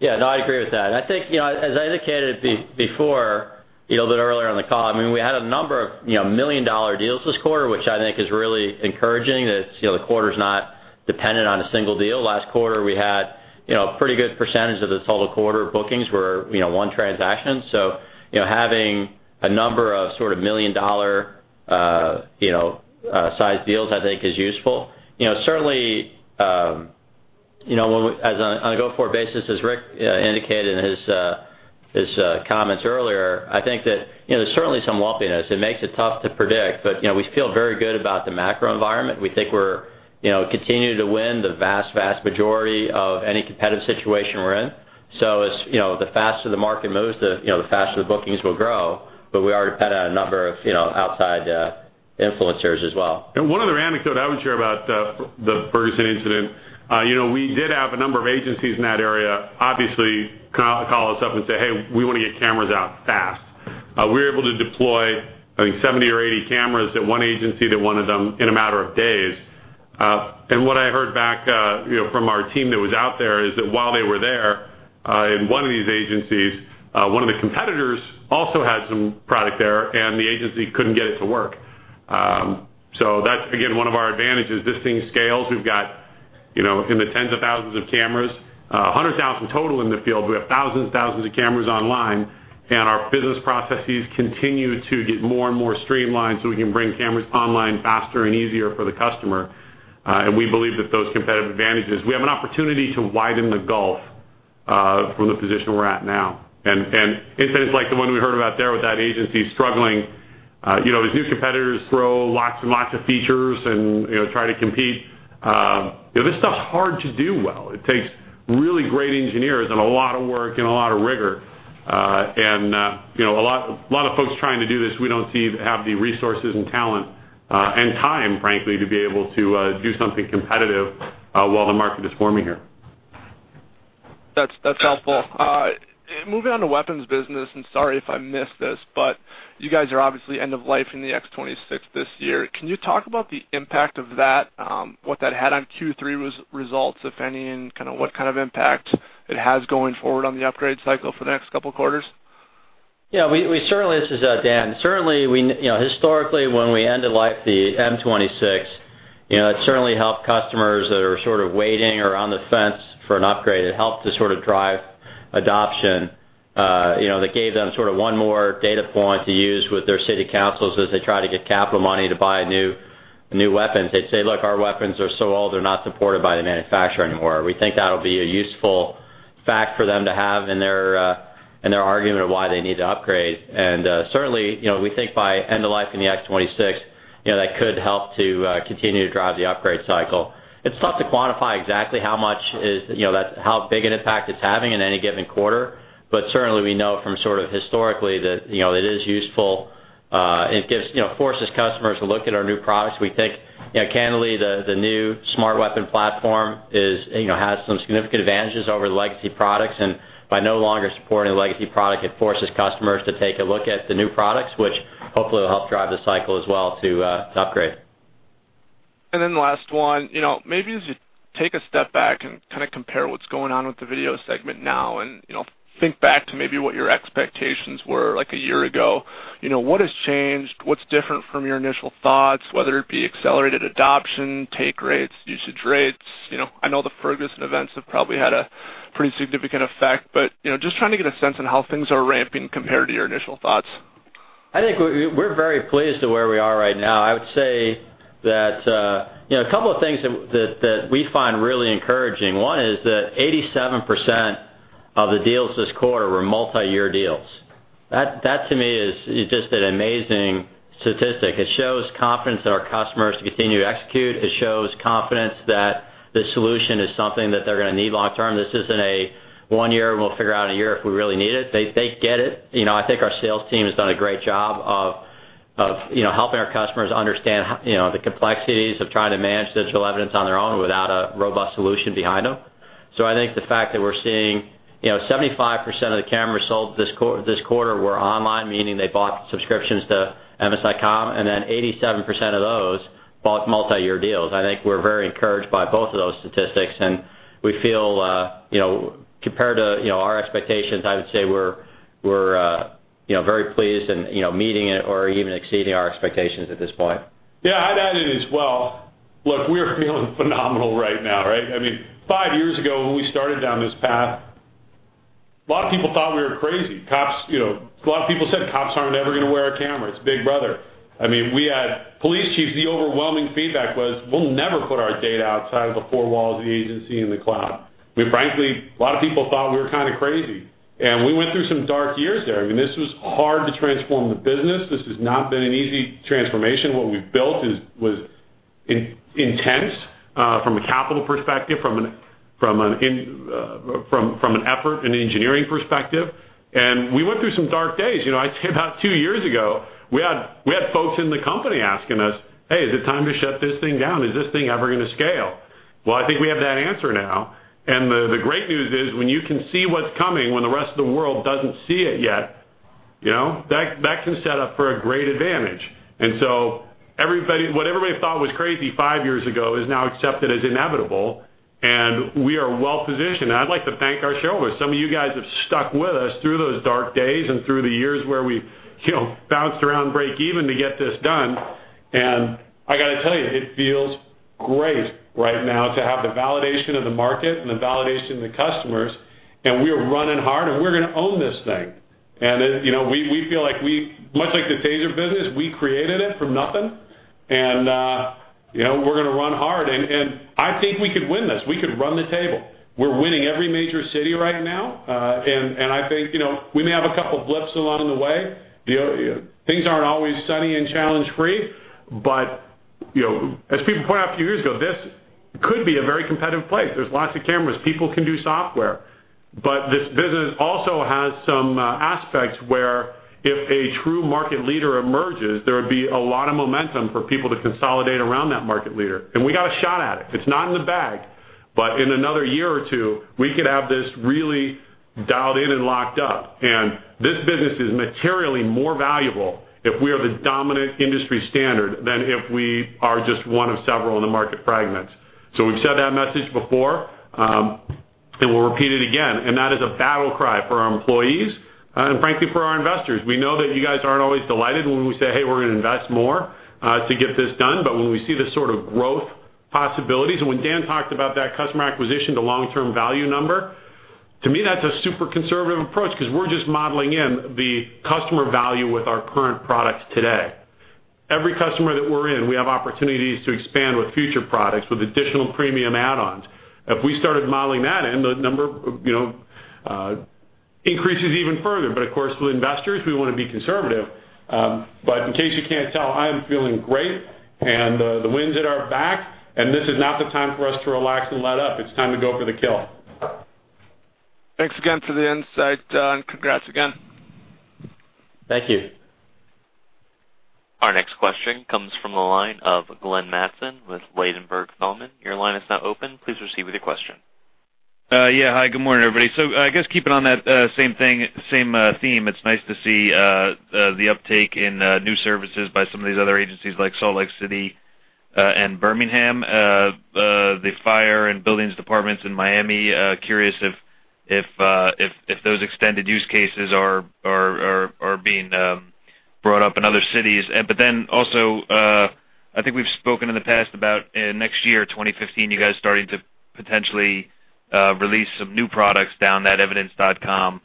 Yeah. No, I agree with that. I think, as I indicated before a little bit earlier on the call, we had a number of million-dollar deals this quarter, which I think is really encouraging that the quarter's not dependent on a single deal. Last quarter, we had a pretty good percentage of the total quarter bookings were one transaction. Having a number of sort of million-dollar sized deals, I think is useful. Certainly, on a go-forward basis, as Rick indicated in his comments earlier, I think that there's certainly some lumpiness. It makes it tough to predict, but we feel very good about the macro environment. We think we continue to win the vast majority of any competitive situation we're in. The faster the market moves, the faster the bookings will grow, but we are dependent on a number of outside influencers as well. One other anecdote I would share about the Ferguson incident. We did have a number of agencies in that area obviously call us up and say, "Hey, we want to get cameras out fast." We were able to deploy, I think 70 or 80 cameras at one agency that wanted them in a matter of days. What I heard back from our team that was out there is that while they were there, in one of these agencies, one of the competitors also had some product there, and the agency couldn't get it to work. That's, again, one of our advantages. This thing scales. We've got in the tens of thousands of cameras, 100,000 total in the field. We have thousands and thousands of cameras online, our business processes continue to get more and more streamlined so we can bring cameras online faster and easier for the customer. We believe that those competitive advantages, we have an opportunity to widen the gulf, from the position we're at now. Incidents like the one we heard about there with that agency struggling, as new competitors throw lots and lots of features and try to compete. This stuff's hard to do well. It takes really great engineers and a lot of work and a lot of rigor. A lot of folks trying to do this, we don't see have the resources and talent, and time, frankly, to be able to do something competitive, while the market is forming here. That's helpful. Moving on to weapons business, and sorry if I missed this, but you guys are obviously end of life in the X26 this year. Can you talk about the impact of that, what that had on Q3 results, if any, and what kind of impact it has going forward on the upgrade cycle for the next couple of quarters? Yeah. This is Dan. Certainly, historically, when we end of life the M26, it certainly helped customers that are sort of waiting or on the fence for an upgrade. It helped to sort of drive adoption. That gave them sort of one more data point to use with their city councils as they try to get capital money to buy new weapons. They'd say, "Look, our weapons are so old, they're not supported by the manufacturer anymore." We think that'll be a useful fact for them to have in their argument of why they need to upgrade. Certainly, we think by end of life in the X26, that could help to continue to drive the upgrade cycle. It's tough to quantify exactly how big an impact it's having in any given quarter. Certainly, we know from sort of historically that it is useful. It forces customers to look at our new products. We think, candidly, the new Smart Weapon Platform has some significant advantages over the legacy products, and by no longer supporting a legacy product, it forces customers to take a look at the new products, which hopefully will help drive the cycle as well to upgrade. Last one, maybe as you take a step back and compare what's going on with the video segment now and think back to maybe what your expectations were like a year ago, what has changed? What's different from your initial thoughts, whether it be accelerated adoption, take rates, usage rates? I know the Ferguson events have probably had a pretty significant effect, but just trying to get a sense on how things are ramping compared to your initial thoughts. I think we're very pleased with where we are right now. I would say that a couple of things that we find really encouraging. One is that 87% of the deals this quarter were multi-year deals. That, to me, is just an amazing statistic. It shows confidence in our customers to continue to execute. It shows confidence that the solution is something that they're going to need long-term. This isn't a one-year, we'll figure out in a year if we really need it. They get it. I think our sales team has done a great job of helping our customers understand the complexities of trying to manage digital evidence on their own without a robust solution behind them. I think the fact that we're seeing 75% of the cameras sold this quarter were online, meaning they bought subscriptions to Evidence.com, and then 87% of those bought multi-year deals. I think we're very encouraged by both of those statistics, and we feel compared to our expectations, I would say we're very pleased and meeting or even exceeding our expectations at this point. Yeah, I'd add in as well. Look, we're feeling phenomenal right now, right? I mean, five years ago when we started down this path, a lot of people thought we were crazy. A lot of people said cops aren't ever going to wear a camera. It's Big Brother. I mean, we had police chiefs, the overwhelming feedback was, "We'll never put our data outside of the four walls of the agency in the cloud." I mean, frankly, a lot of people thought we were kind of crazy. We went through some dark years there. I mean, this was hard to transform the business. This has not been an easy transformation. What we've built was intense from a capital perspective, from an effort and engineering perspective. We went through some dark days. I'd say about two years ago, we had folks in the company asking us, "Hey, is it time to shut this thing down? Is this thing ever going to scale?" Well, I think we have that answer now. The great news is when you can see what's coming, when the rest of the world doesn't see it yet, that can set up for a great advantage. What everybody thought was crazy five years ago is now accepted as inevitable, and we are well-positioned. I'd like to thank our shareholders. Some of you guys have stuck with us through those dark days and through the years where we bounced around break even to get this done. I got to tell you, it feels great right now to have the validation of the market and the validation of the customers, and we are running hard, and we're going to own this thing. We feel like much like the TASER business, we created it from nothing, and we're going to run hard, and I think we could win this. We could run the table. We're winning every major city right now. I think we may have a couple blips along the way. Things aren't always sunny and challenge-free, but as people pointed out a few years ago, this could be a very competitive place. There's lots of cameras, people can do software. This business also has some aspects where if a true market leader emerges, there would be a lot of momentum for people to consolidate around that market leader. We got a shot at it. It's not in the bag, but in another year or two, we could have this really dialed in and locked up. This business is materially more valuable if we are the dominant industry standard than if we are just one of several in the market fragments. We've said that message before, and we'll repeat it again, and that is a battle cry for our employees and frankly, for our investors. We know that you guys aren't always delighted when we say, "Hey, we're going to invest more to get this done." When we see the sort of growth possibilities, and when Dan talked about that customer acquisition to long-term value number, to me, that's a super conservative approach because we're just modeling in the customer value with our current products today. Every customer that we're in, we have opportunities to expand with future products with additional premium add-ons. If we started modeling that in, the number increases even further. Of course, with investors, we want to be conservative. In case you can't tell, I am feeling great, the wind's at our back, and this is not the time for us to relax and let up. It's time to go for the kill. Thanks again for the insight, Dan. Congrats again. Thank you. Our next question comes from the line of Glenn Mattson with Ladenburg Thalmann. Your line is now open. Please proceed with your question. Yeah. Hi, good morning, everybody. I guess keeping on that same theme, it's nice to see the uptake in new services by some of these other agencies like Salt Lake City and Birmingham, the fire and buildings departments in Miami. Curious if those extended use cases are being brought up in other cities. Also, I think we've spoken in the past about next year 2015, you guys starting to potentially release some new products down that Evidence.com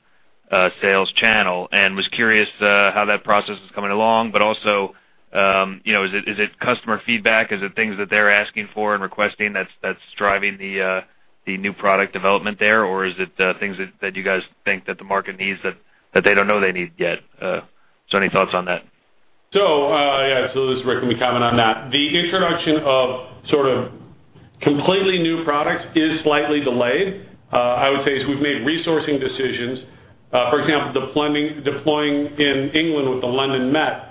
sales channel, and was curious how that process is coming along, but also is it customer feedback? Is it things that they're asking for and requesting that's driving the new product development there? Is it things that you guys think that the market needs that they don't know they need yet? Any thoughts on that? Yeah. This is Rick. Let me comment on that. The introduction of sort of completely new products is slightly delayed. I would say as we've made resourcing decisions, for example, deploying in England with the London Met.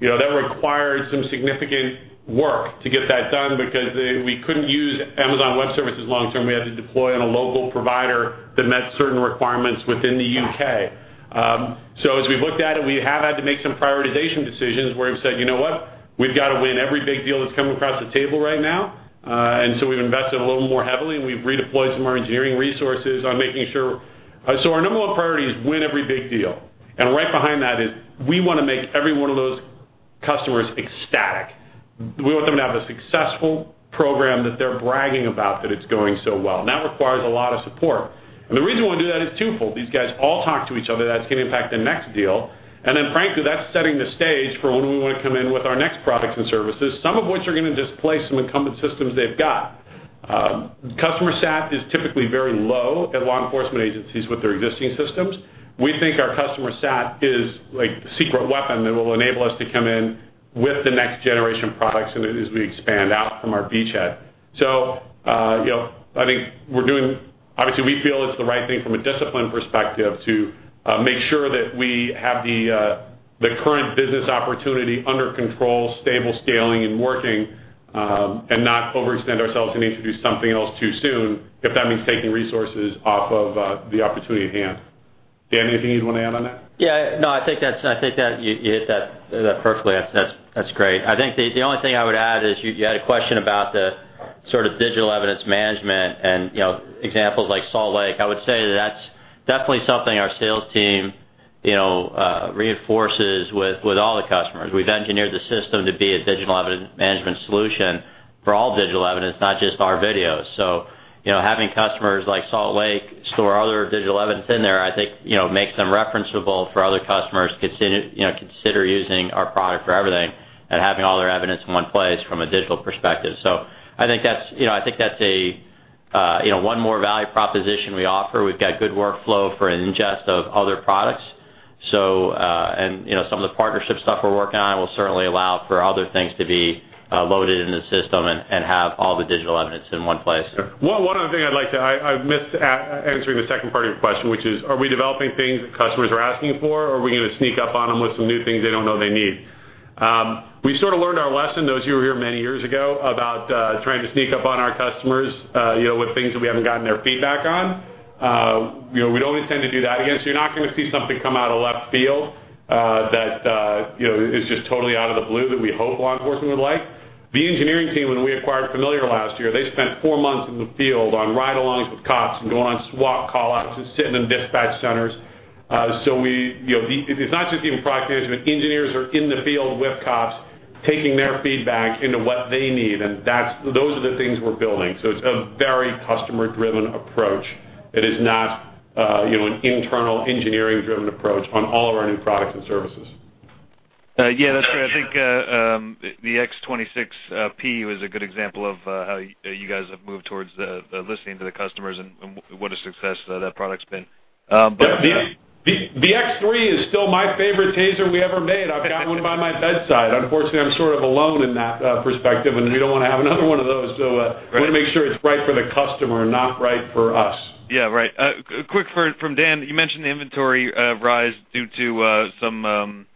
That required some significant work to get that done because we couldn't use Amazon Web Services long-term. We had to deploy on a local provider that met certain requirements within the U.K. As we've looked at it, we have had to make some prioritization decisions where we've said, "You know what? We've got to win every big deal that's come across the table right now." We've invested a little more heavily, and we've redeployed some of our engineering resources on making sure. Our number one priority is win every big deal, and right behind that is we want to make every one of those customers ecstatic. We want them to have a successful program that they're bragging about that it's going so well, and that requires a lot of support. The reason we want to do that is twofold. These guys all talk to each other. That's going to impact the next deal. Frankly, that's setting the stage for when we want to come in with our next products and services, some of which are going to displace some incumbent systems they've got. Customer sat is typically very low at law enforcement agencies with their existing systems. We think our customer sat is like the secret weapon that will enable us to come in with the next generation products and as we expand out from our beachhead. I think obviously, we feel it's the right thing from a discipline perspective to make sure that we have the current business opportunity under control, stable, scaling, and working, and not overextend ourselves and introduce something else too soon, if that means taking resources off of the opportunity at hand. Dan, anything you'd want to add on that? Yeah. No, I think that you hit that perfectly. That's great. I think the only thing I would add is you had a question about the sort of digital evidence management and examples like Salt Lake. I would say that's definitely something our sales team reinforces with all the customers. We've engineered the system to be a digital evidence management solution for all digital evidence, not just our videos. Having customers like Salt Lake store other digital evidence in there, I think, makes them referenceable for other customers consider using our product for everything and having all their evidence in one place from a digital perspective. I think that's one more value proposition we offer. We've got good workflow for ingest of other products. Some of the partnership stuff we're working on will certainly allow for other things to be loaded in the system and have all the digital evidence in one place. One other thing I missed answering the second part of your question, which is, are we developing things that customers are asking for, or are we going to sneak up on them with some new things they don't know they need? We sort of learned our lesson, those of you who were here many years ago, about trying to sneak up on our customers, with things that we haven't gotten their feedback on. We'd always tend to do that again, so you're not going to see something come out of left field, that is just totally out of the blue that we hope law enforcement would like. The engineering team, when we acquired Familiar last year, they spent four months in the field on ride-alongs with cops and going on SWAT call-outs and sitting in dispatch centers. It's not just the product management. Engineers are in the field with cops, taking their feedback into what they need, and those are the things we're building. It's a very customer-driven approach. It is not an internal engineering-driven approach on all of our new products and services. That's fair. I think the X26P was a good example of how you guys have moved towards the listening to the customers and what a success that product's been. Yeah. The TASER X3 is still my favorite TASER we ever made. I've got one by my bedside. Unfortunately, I'm sort of alone in that perspective, and we don't want to have another one of those. Right We want to make sure it's right for the customer, not right for us. Yeah. Right. Quick from Dan, you mentioned the inventory rise due to some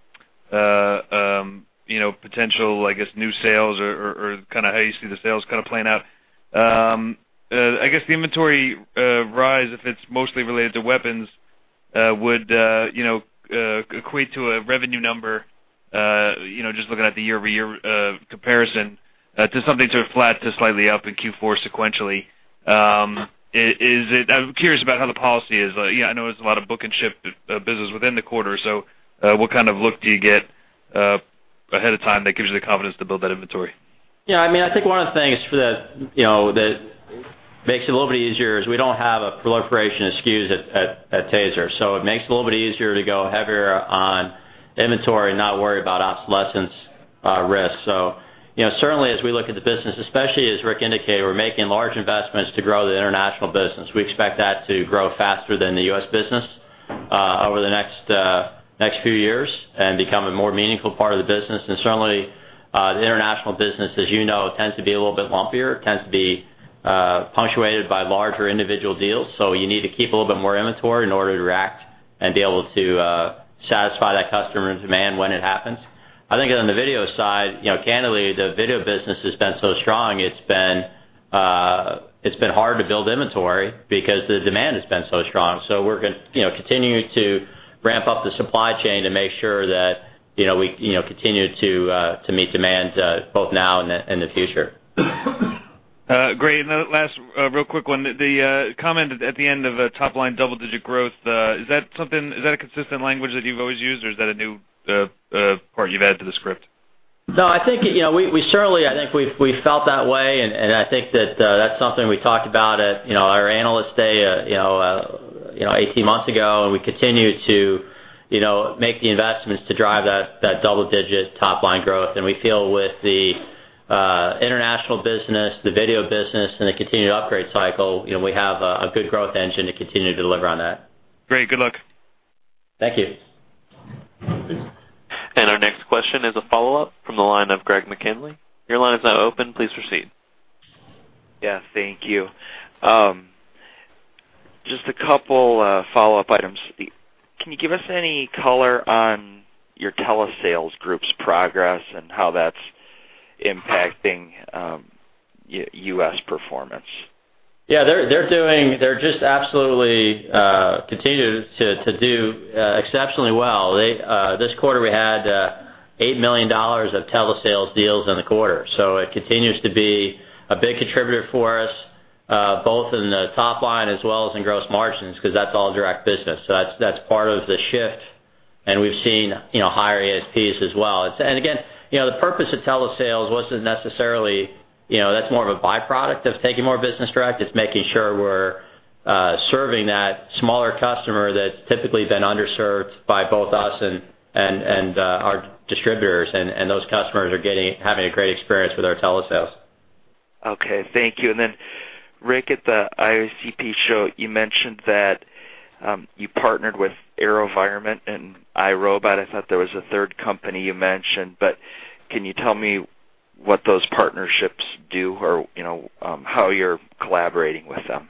potential, I guess, new sales or kind of how you see the sales kind of playing out. I guess the inventory rise, if it's mostly related to weapons, would equate to a revenue number, just looking at the year-over-year comparison, to something sort of flat to slightly up in Q4 sequentially. I'm curious about how the policy is. I know there's a lot of book and ship business within the quarter, so, what kind of look do you get ahead of time that gives you the confidence to build that inventory? Yeah. I think one of the things that makes it a little bit easier is we don't have a proliferation of SKUs at TASER. It makes it a little bit easier to go heavier on inventory and not worry about obsolescence risk. Certainly as we look at the business, especially as Rick indicated, we're making large investments to grow the international business. We expect that to grow faster than the U.S. business over the next few years and become a more meaningful part of the business. Certainly, the international business, as you know, tends to be a little bit lumpier. It tends to be punctuated by larger individual deals. You need to keep a little bit more inventory in order to react and be able to satisfy that customer demand when it happens. I think on the video side, candidly, the video business has been so strong, it's been hard to build inventory because the demand has been so strong. We're continuing to ramp up the supply chain to make sure that we continue to meet demand both now and in the future. Great. The last real quick one, the comment at the end of top-line double-digit growth, is that a consistent language that you've always used, or is that a new part you've added to the script? No, I think we certainly felt that way, I think that that's something we talked about at our Analyst Day 18 months ago, we continue to make the investments to drive that double-digit top-line growth. We feel with the international business, the video business, and the continued upgrade cycle, we have a good growth engine to continue to deliver on that. Great. Good luck. Thank you. Our next question is a follow-up from the line of Greg McKinley. Your line is now open. Please proceed. Yeah, thank you. Just a couple follow-up items. Can you give us any color on your telesales group's progress and how that's impacting U.S. performance? Yeah. They're just absolutely continuing to do exceptionally well. This quarter, we had $8 million of telesales deals in the quarter. It continues to be a big contributor for us, both in the top line as well as in gross margins, because that's all direct business. That's part of the shift and we've seen higher ASPs as well. Again, the purpose of telesales wasn't necessarily. That's more of a byproduct of taking more business direct. It's making sure we're serving that smaller customer that's typically been underserved by both us and our distributors, and those customers are having a great experience with our telesales. Okay, thank you. Rick, at the IACP show, you mentioned that you partnered with AeroVironment and iRobot. I thought there was a third company you mentioned, but can you tell me what those partnerships do, or how you're collaborating with them?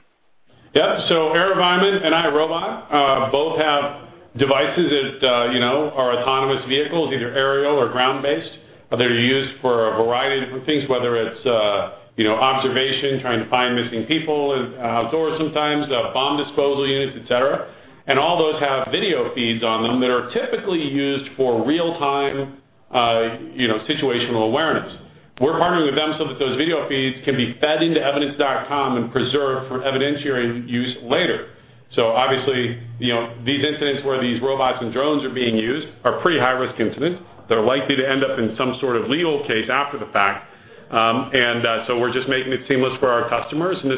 Yeah. AeroVironment and iRobot both have devices that are autonomous vehicles, either aerial or ground-based. They're used for a variety of different things, whether it's observation, trying to find missing people outdoors sometimes, bomb disposal units, et cetera. All those have video feeds on them that are typically used for real-time situational awareness. We're partnering with them so that those video feeds can be fed into evidence.com and preserved for evidentiary use later. Obviously, these incidents where these robots and drones are being used are pretty high-risk incidents that are likely to end up in some sort of legal case after the fact. We're just making it seamless for our customers, and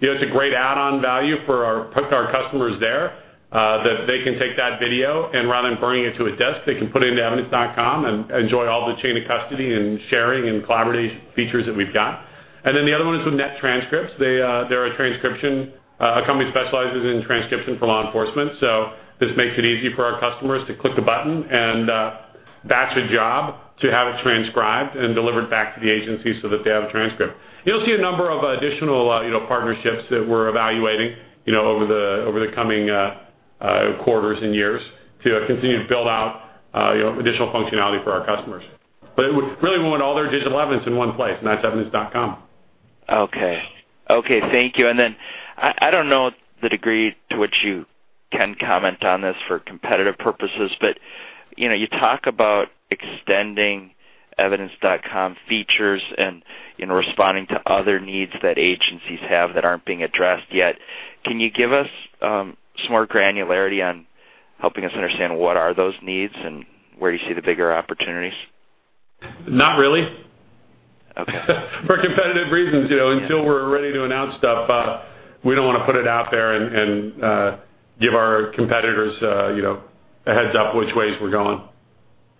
it's a great add-on value for our customers there, that they can take that video, and rather than bringing it to a desk, they can put it into evidence.com and enjoy all the chain of custody and sharing and collaboration features that we've got. The other one is with Net Transcripts. They're a company that specializes in transcription for law enforcement. This makes it easy for our customers to click a button and batch a job to have it transcribed and delivered back to the agency so that they have a transcript. You'll see a number of additional partnerships that we're evaluating over the coming quarters and years to continue to build out additional functionality for our customers. Really, we want all their digital evidence in one place, and that's evidence.com. Okay. Thank you. I don't know the degree to which you can comment on this for competitive purposes, but you talk about extending evidence.com features and responding to other needs that agencies have that aren't being addressed yet. Can you give us some more granularity on helping us understand what are those needs and where you see the bigger opportunities? Not really. Okay. For competitive reasons, until we're ready to announce stuff, we don't want to put it out there and give our competitors a heads up which ways we're going.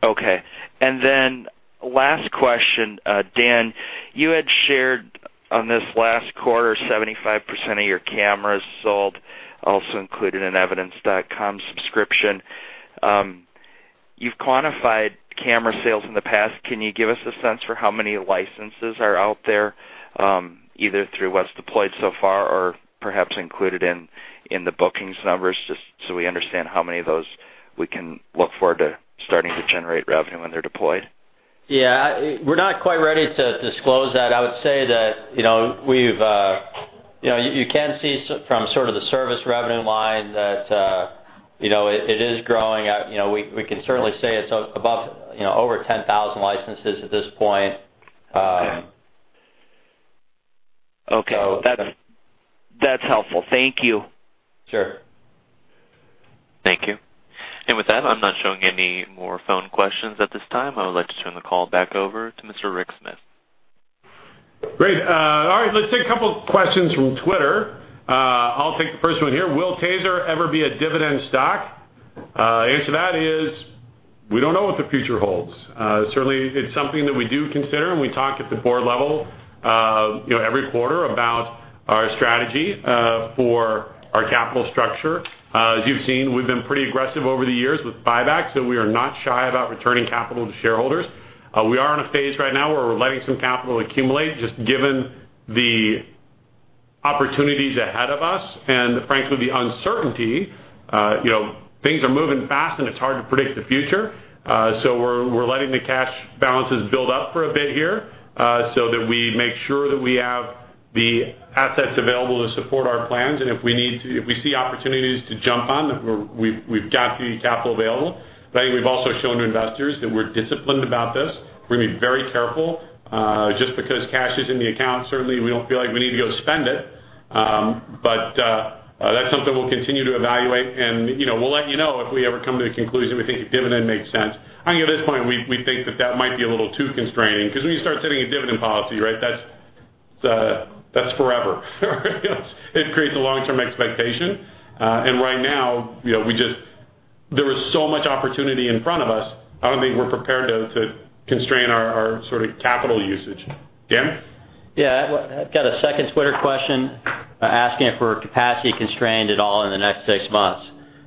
Okay. Last question. Dan, you had shared on this last quarter, 75% of your cameras sold also included an Evidence.com subscription. You've quantified camera sales in the past. Can you give us a sense for how many licenses are out there, either through what's deployed so far or perhaps included in the bookings numbers, just so we understand how many of those we can look forward to starting to generate revenue when they're deployed? Yeah. We're not quite ready to disclose that. I would say that you can see from sort of the service revenue line that it is growing. We can certainly say it's over 10,000 licenses at this point. Okay. That's helpful. Thank you. Sure. Thank you. With that, I'm not showing any more phone questions at this time. I would like to turn the call back over to Mr. Rick Smith. Great. All right, let's take a couple questions from Twitter. I'll take the first one here. Will TASER ever be a dividend stock? Answer to that is, we don't know what the future holds. Certainly, it's something that we do consider, and we talk at the board level every quarter about our strategy for our capital structure. As you've seen, we've been pretty aggressive over the years with buybacks, so we are not shy about returning capital to shareholders. We are in a phase right now where we're letting some capital accumulate, just given the opportunities ahead of us and frankly, the uncertainty. Things are moving fast and it's hard to predict the future. We're letting the cash balances build up for a bit here, so that we make sure that we have the assets available to support our plans. If we see opportunities to jump on, we've got the capital available. I think we've also shown to investors that we're disciplined about this. We're going to be very careful. Just because cash is in the account, certainly we don't feel like we need to go spend it. That's something we'll continue to evaluate, and we'll let you know if we ever come to the conclusion we think a dividend makes sense. I think at this point, we think that that might be a little too constraining, because when you start setting a dividend policy, that's forever. It creates a long-term expectation. Right now, there is so much opportunity in front of us, I don't think we're prepared to constrain our capital usage. Dan? Yeah. I've got a second Twitter question asking if we're capacity constrained at all in the next six months.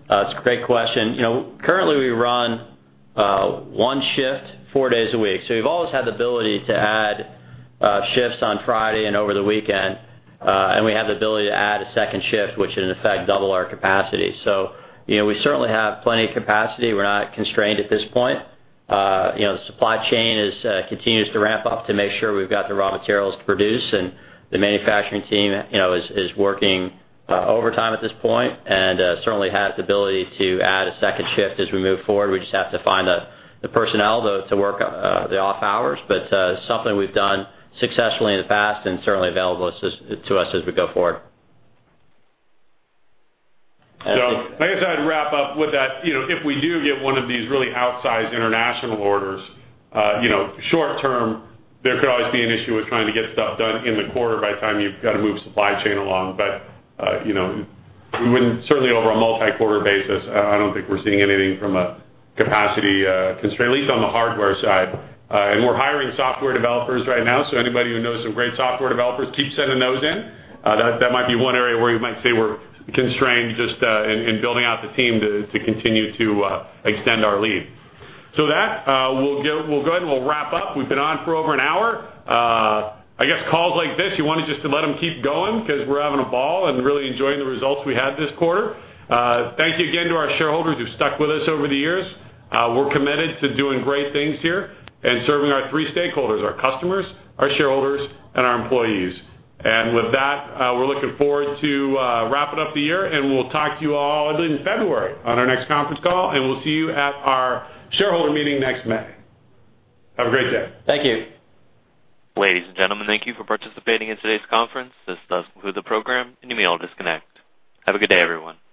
It's a great question. Currently, we run one shift, four days a week. We've always had the ability to add shifts on Friday and over the weekend, and we have the ability to add a second shift, which in effect double our capacity. We certainly have plenty of capacity. We're not constrained at this point. The supply chain continues to ramp up to make sure we've got the raw materials to produce, and the manufacturing team is working overtime at this point and certainly has the ability to add a second shift as we move forward. We just have to find the personnel to work the off hours. Something we've done successfully in the past and certainly available to us as we go forward. I guess I'd wrap up with that. If we do get one of these really outsized international orders, short term, there could always be an issue with trying to get stuff done in the quarter by the time you've got to move supply chain along. We wouldn't certainly, over a multi-quarter basis, I don't think we're seeing anything from a capacity constraint, at least on the hardware side. We're hiring software developers right now, so anybody who knows some great software developers, keep sending those in. That might be one area where you might say we're constrained just in building out the team to continue to extend our lead. With that, we'll go ahead and we'll wrap up. We've been on for over an hour. I guess calls like this, you want to just let them keep going because we're having a ball and really enjoying the results we had this quarter. Thank you again to our shareholders who've stuck with us over the years. We're committed to doing great things here and serving our three stakeholders, our customers, our shareholders, and our employees. With that, we're looking forward to wrapping up the year, and we'll talk to you all in February on our next conference call, and we'll see you at our shareholder meeting next May. Have a great day. Thank you. Ladies and gentlemen, thank you for participating in today's conference. This does conclude the program, you may all disconnect. Have a good day, everyone.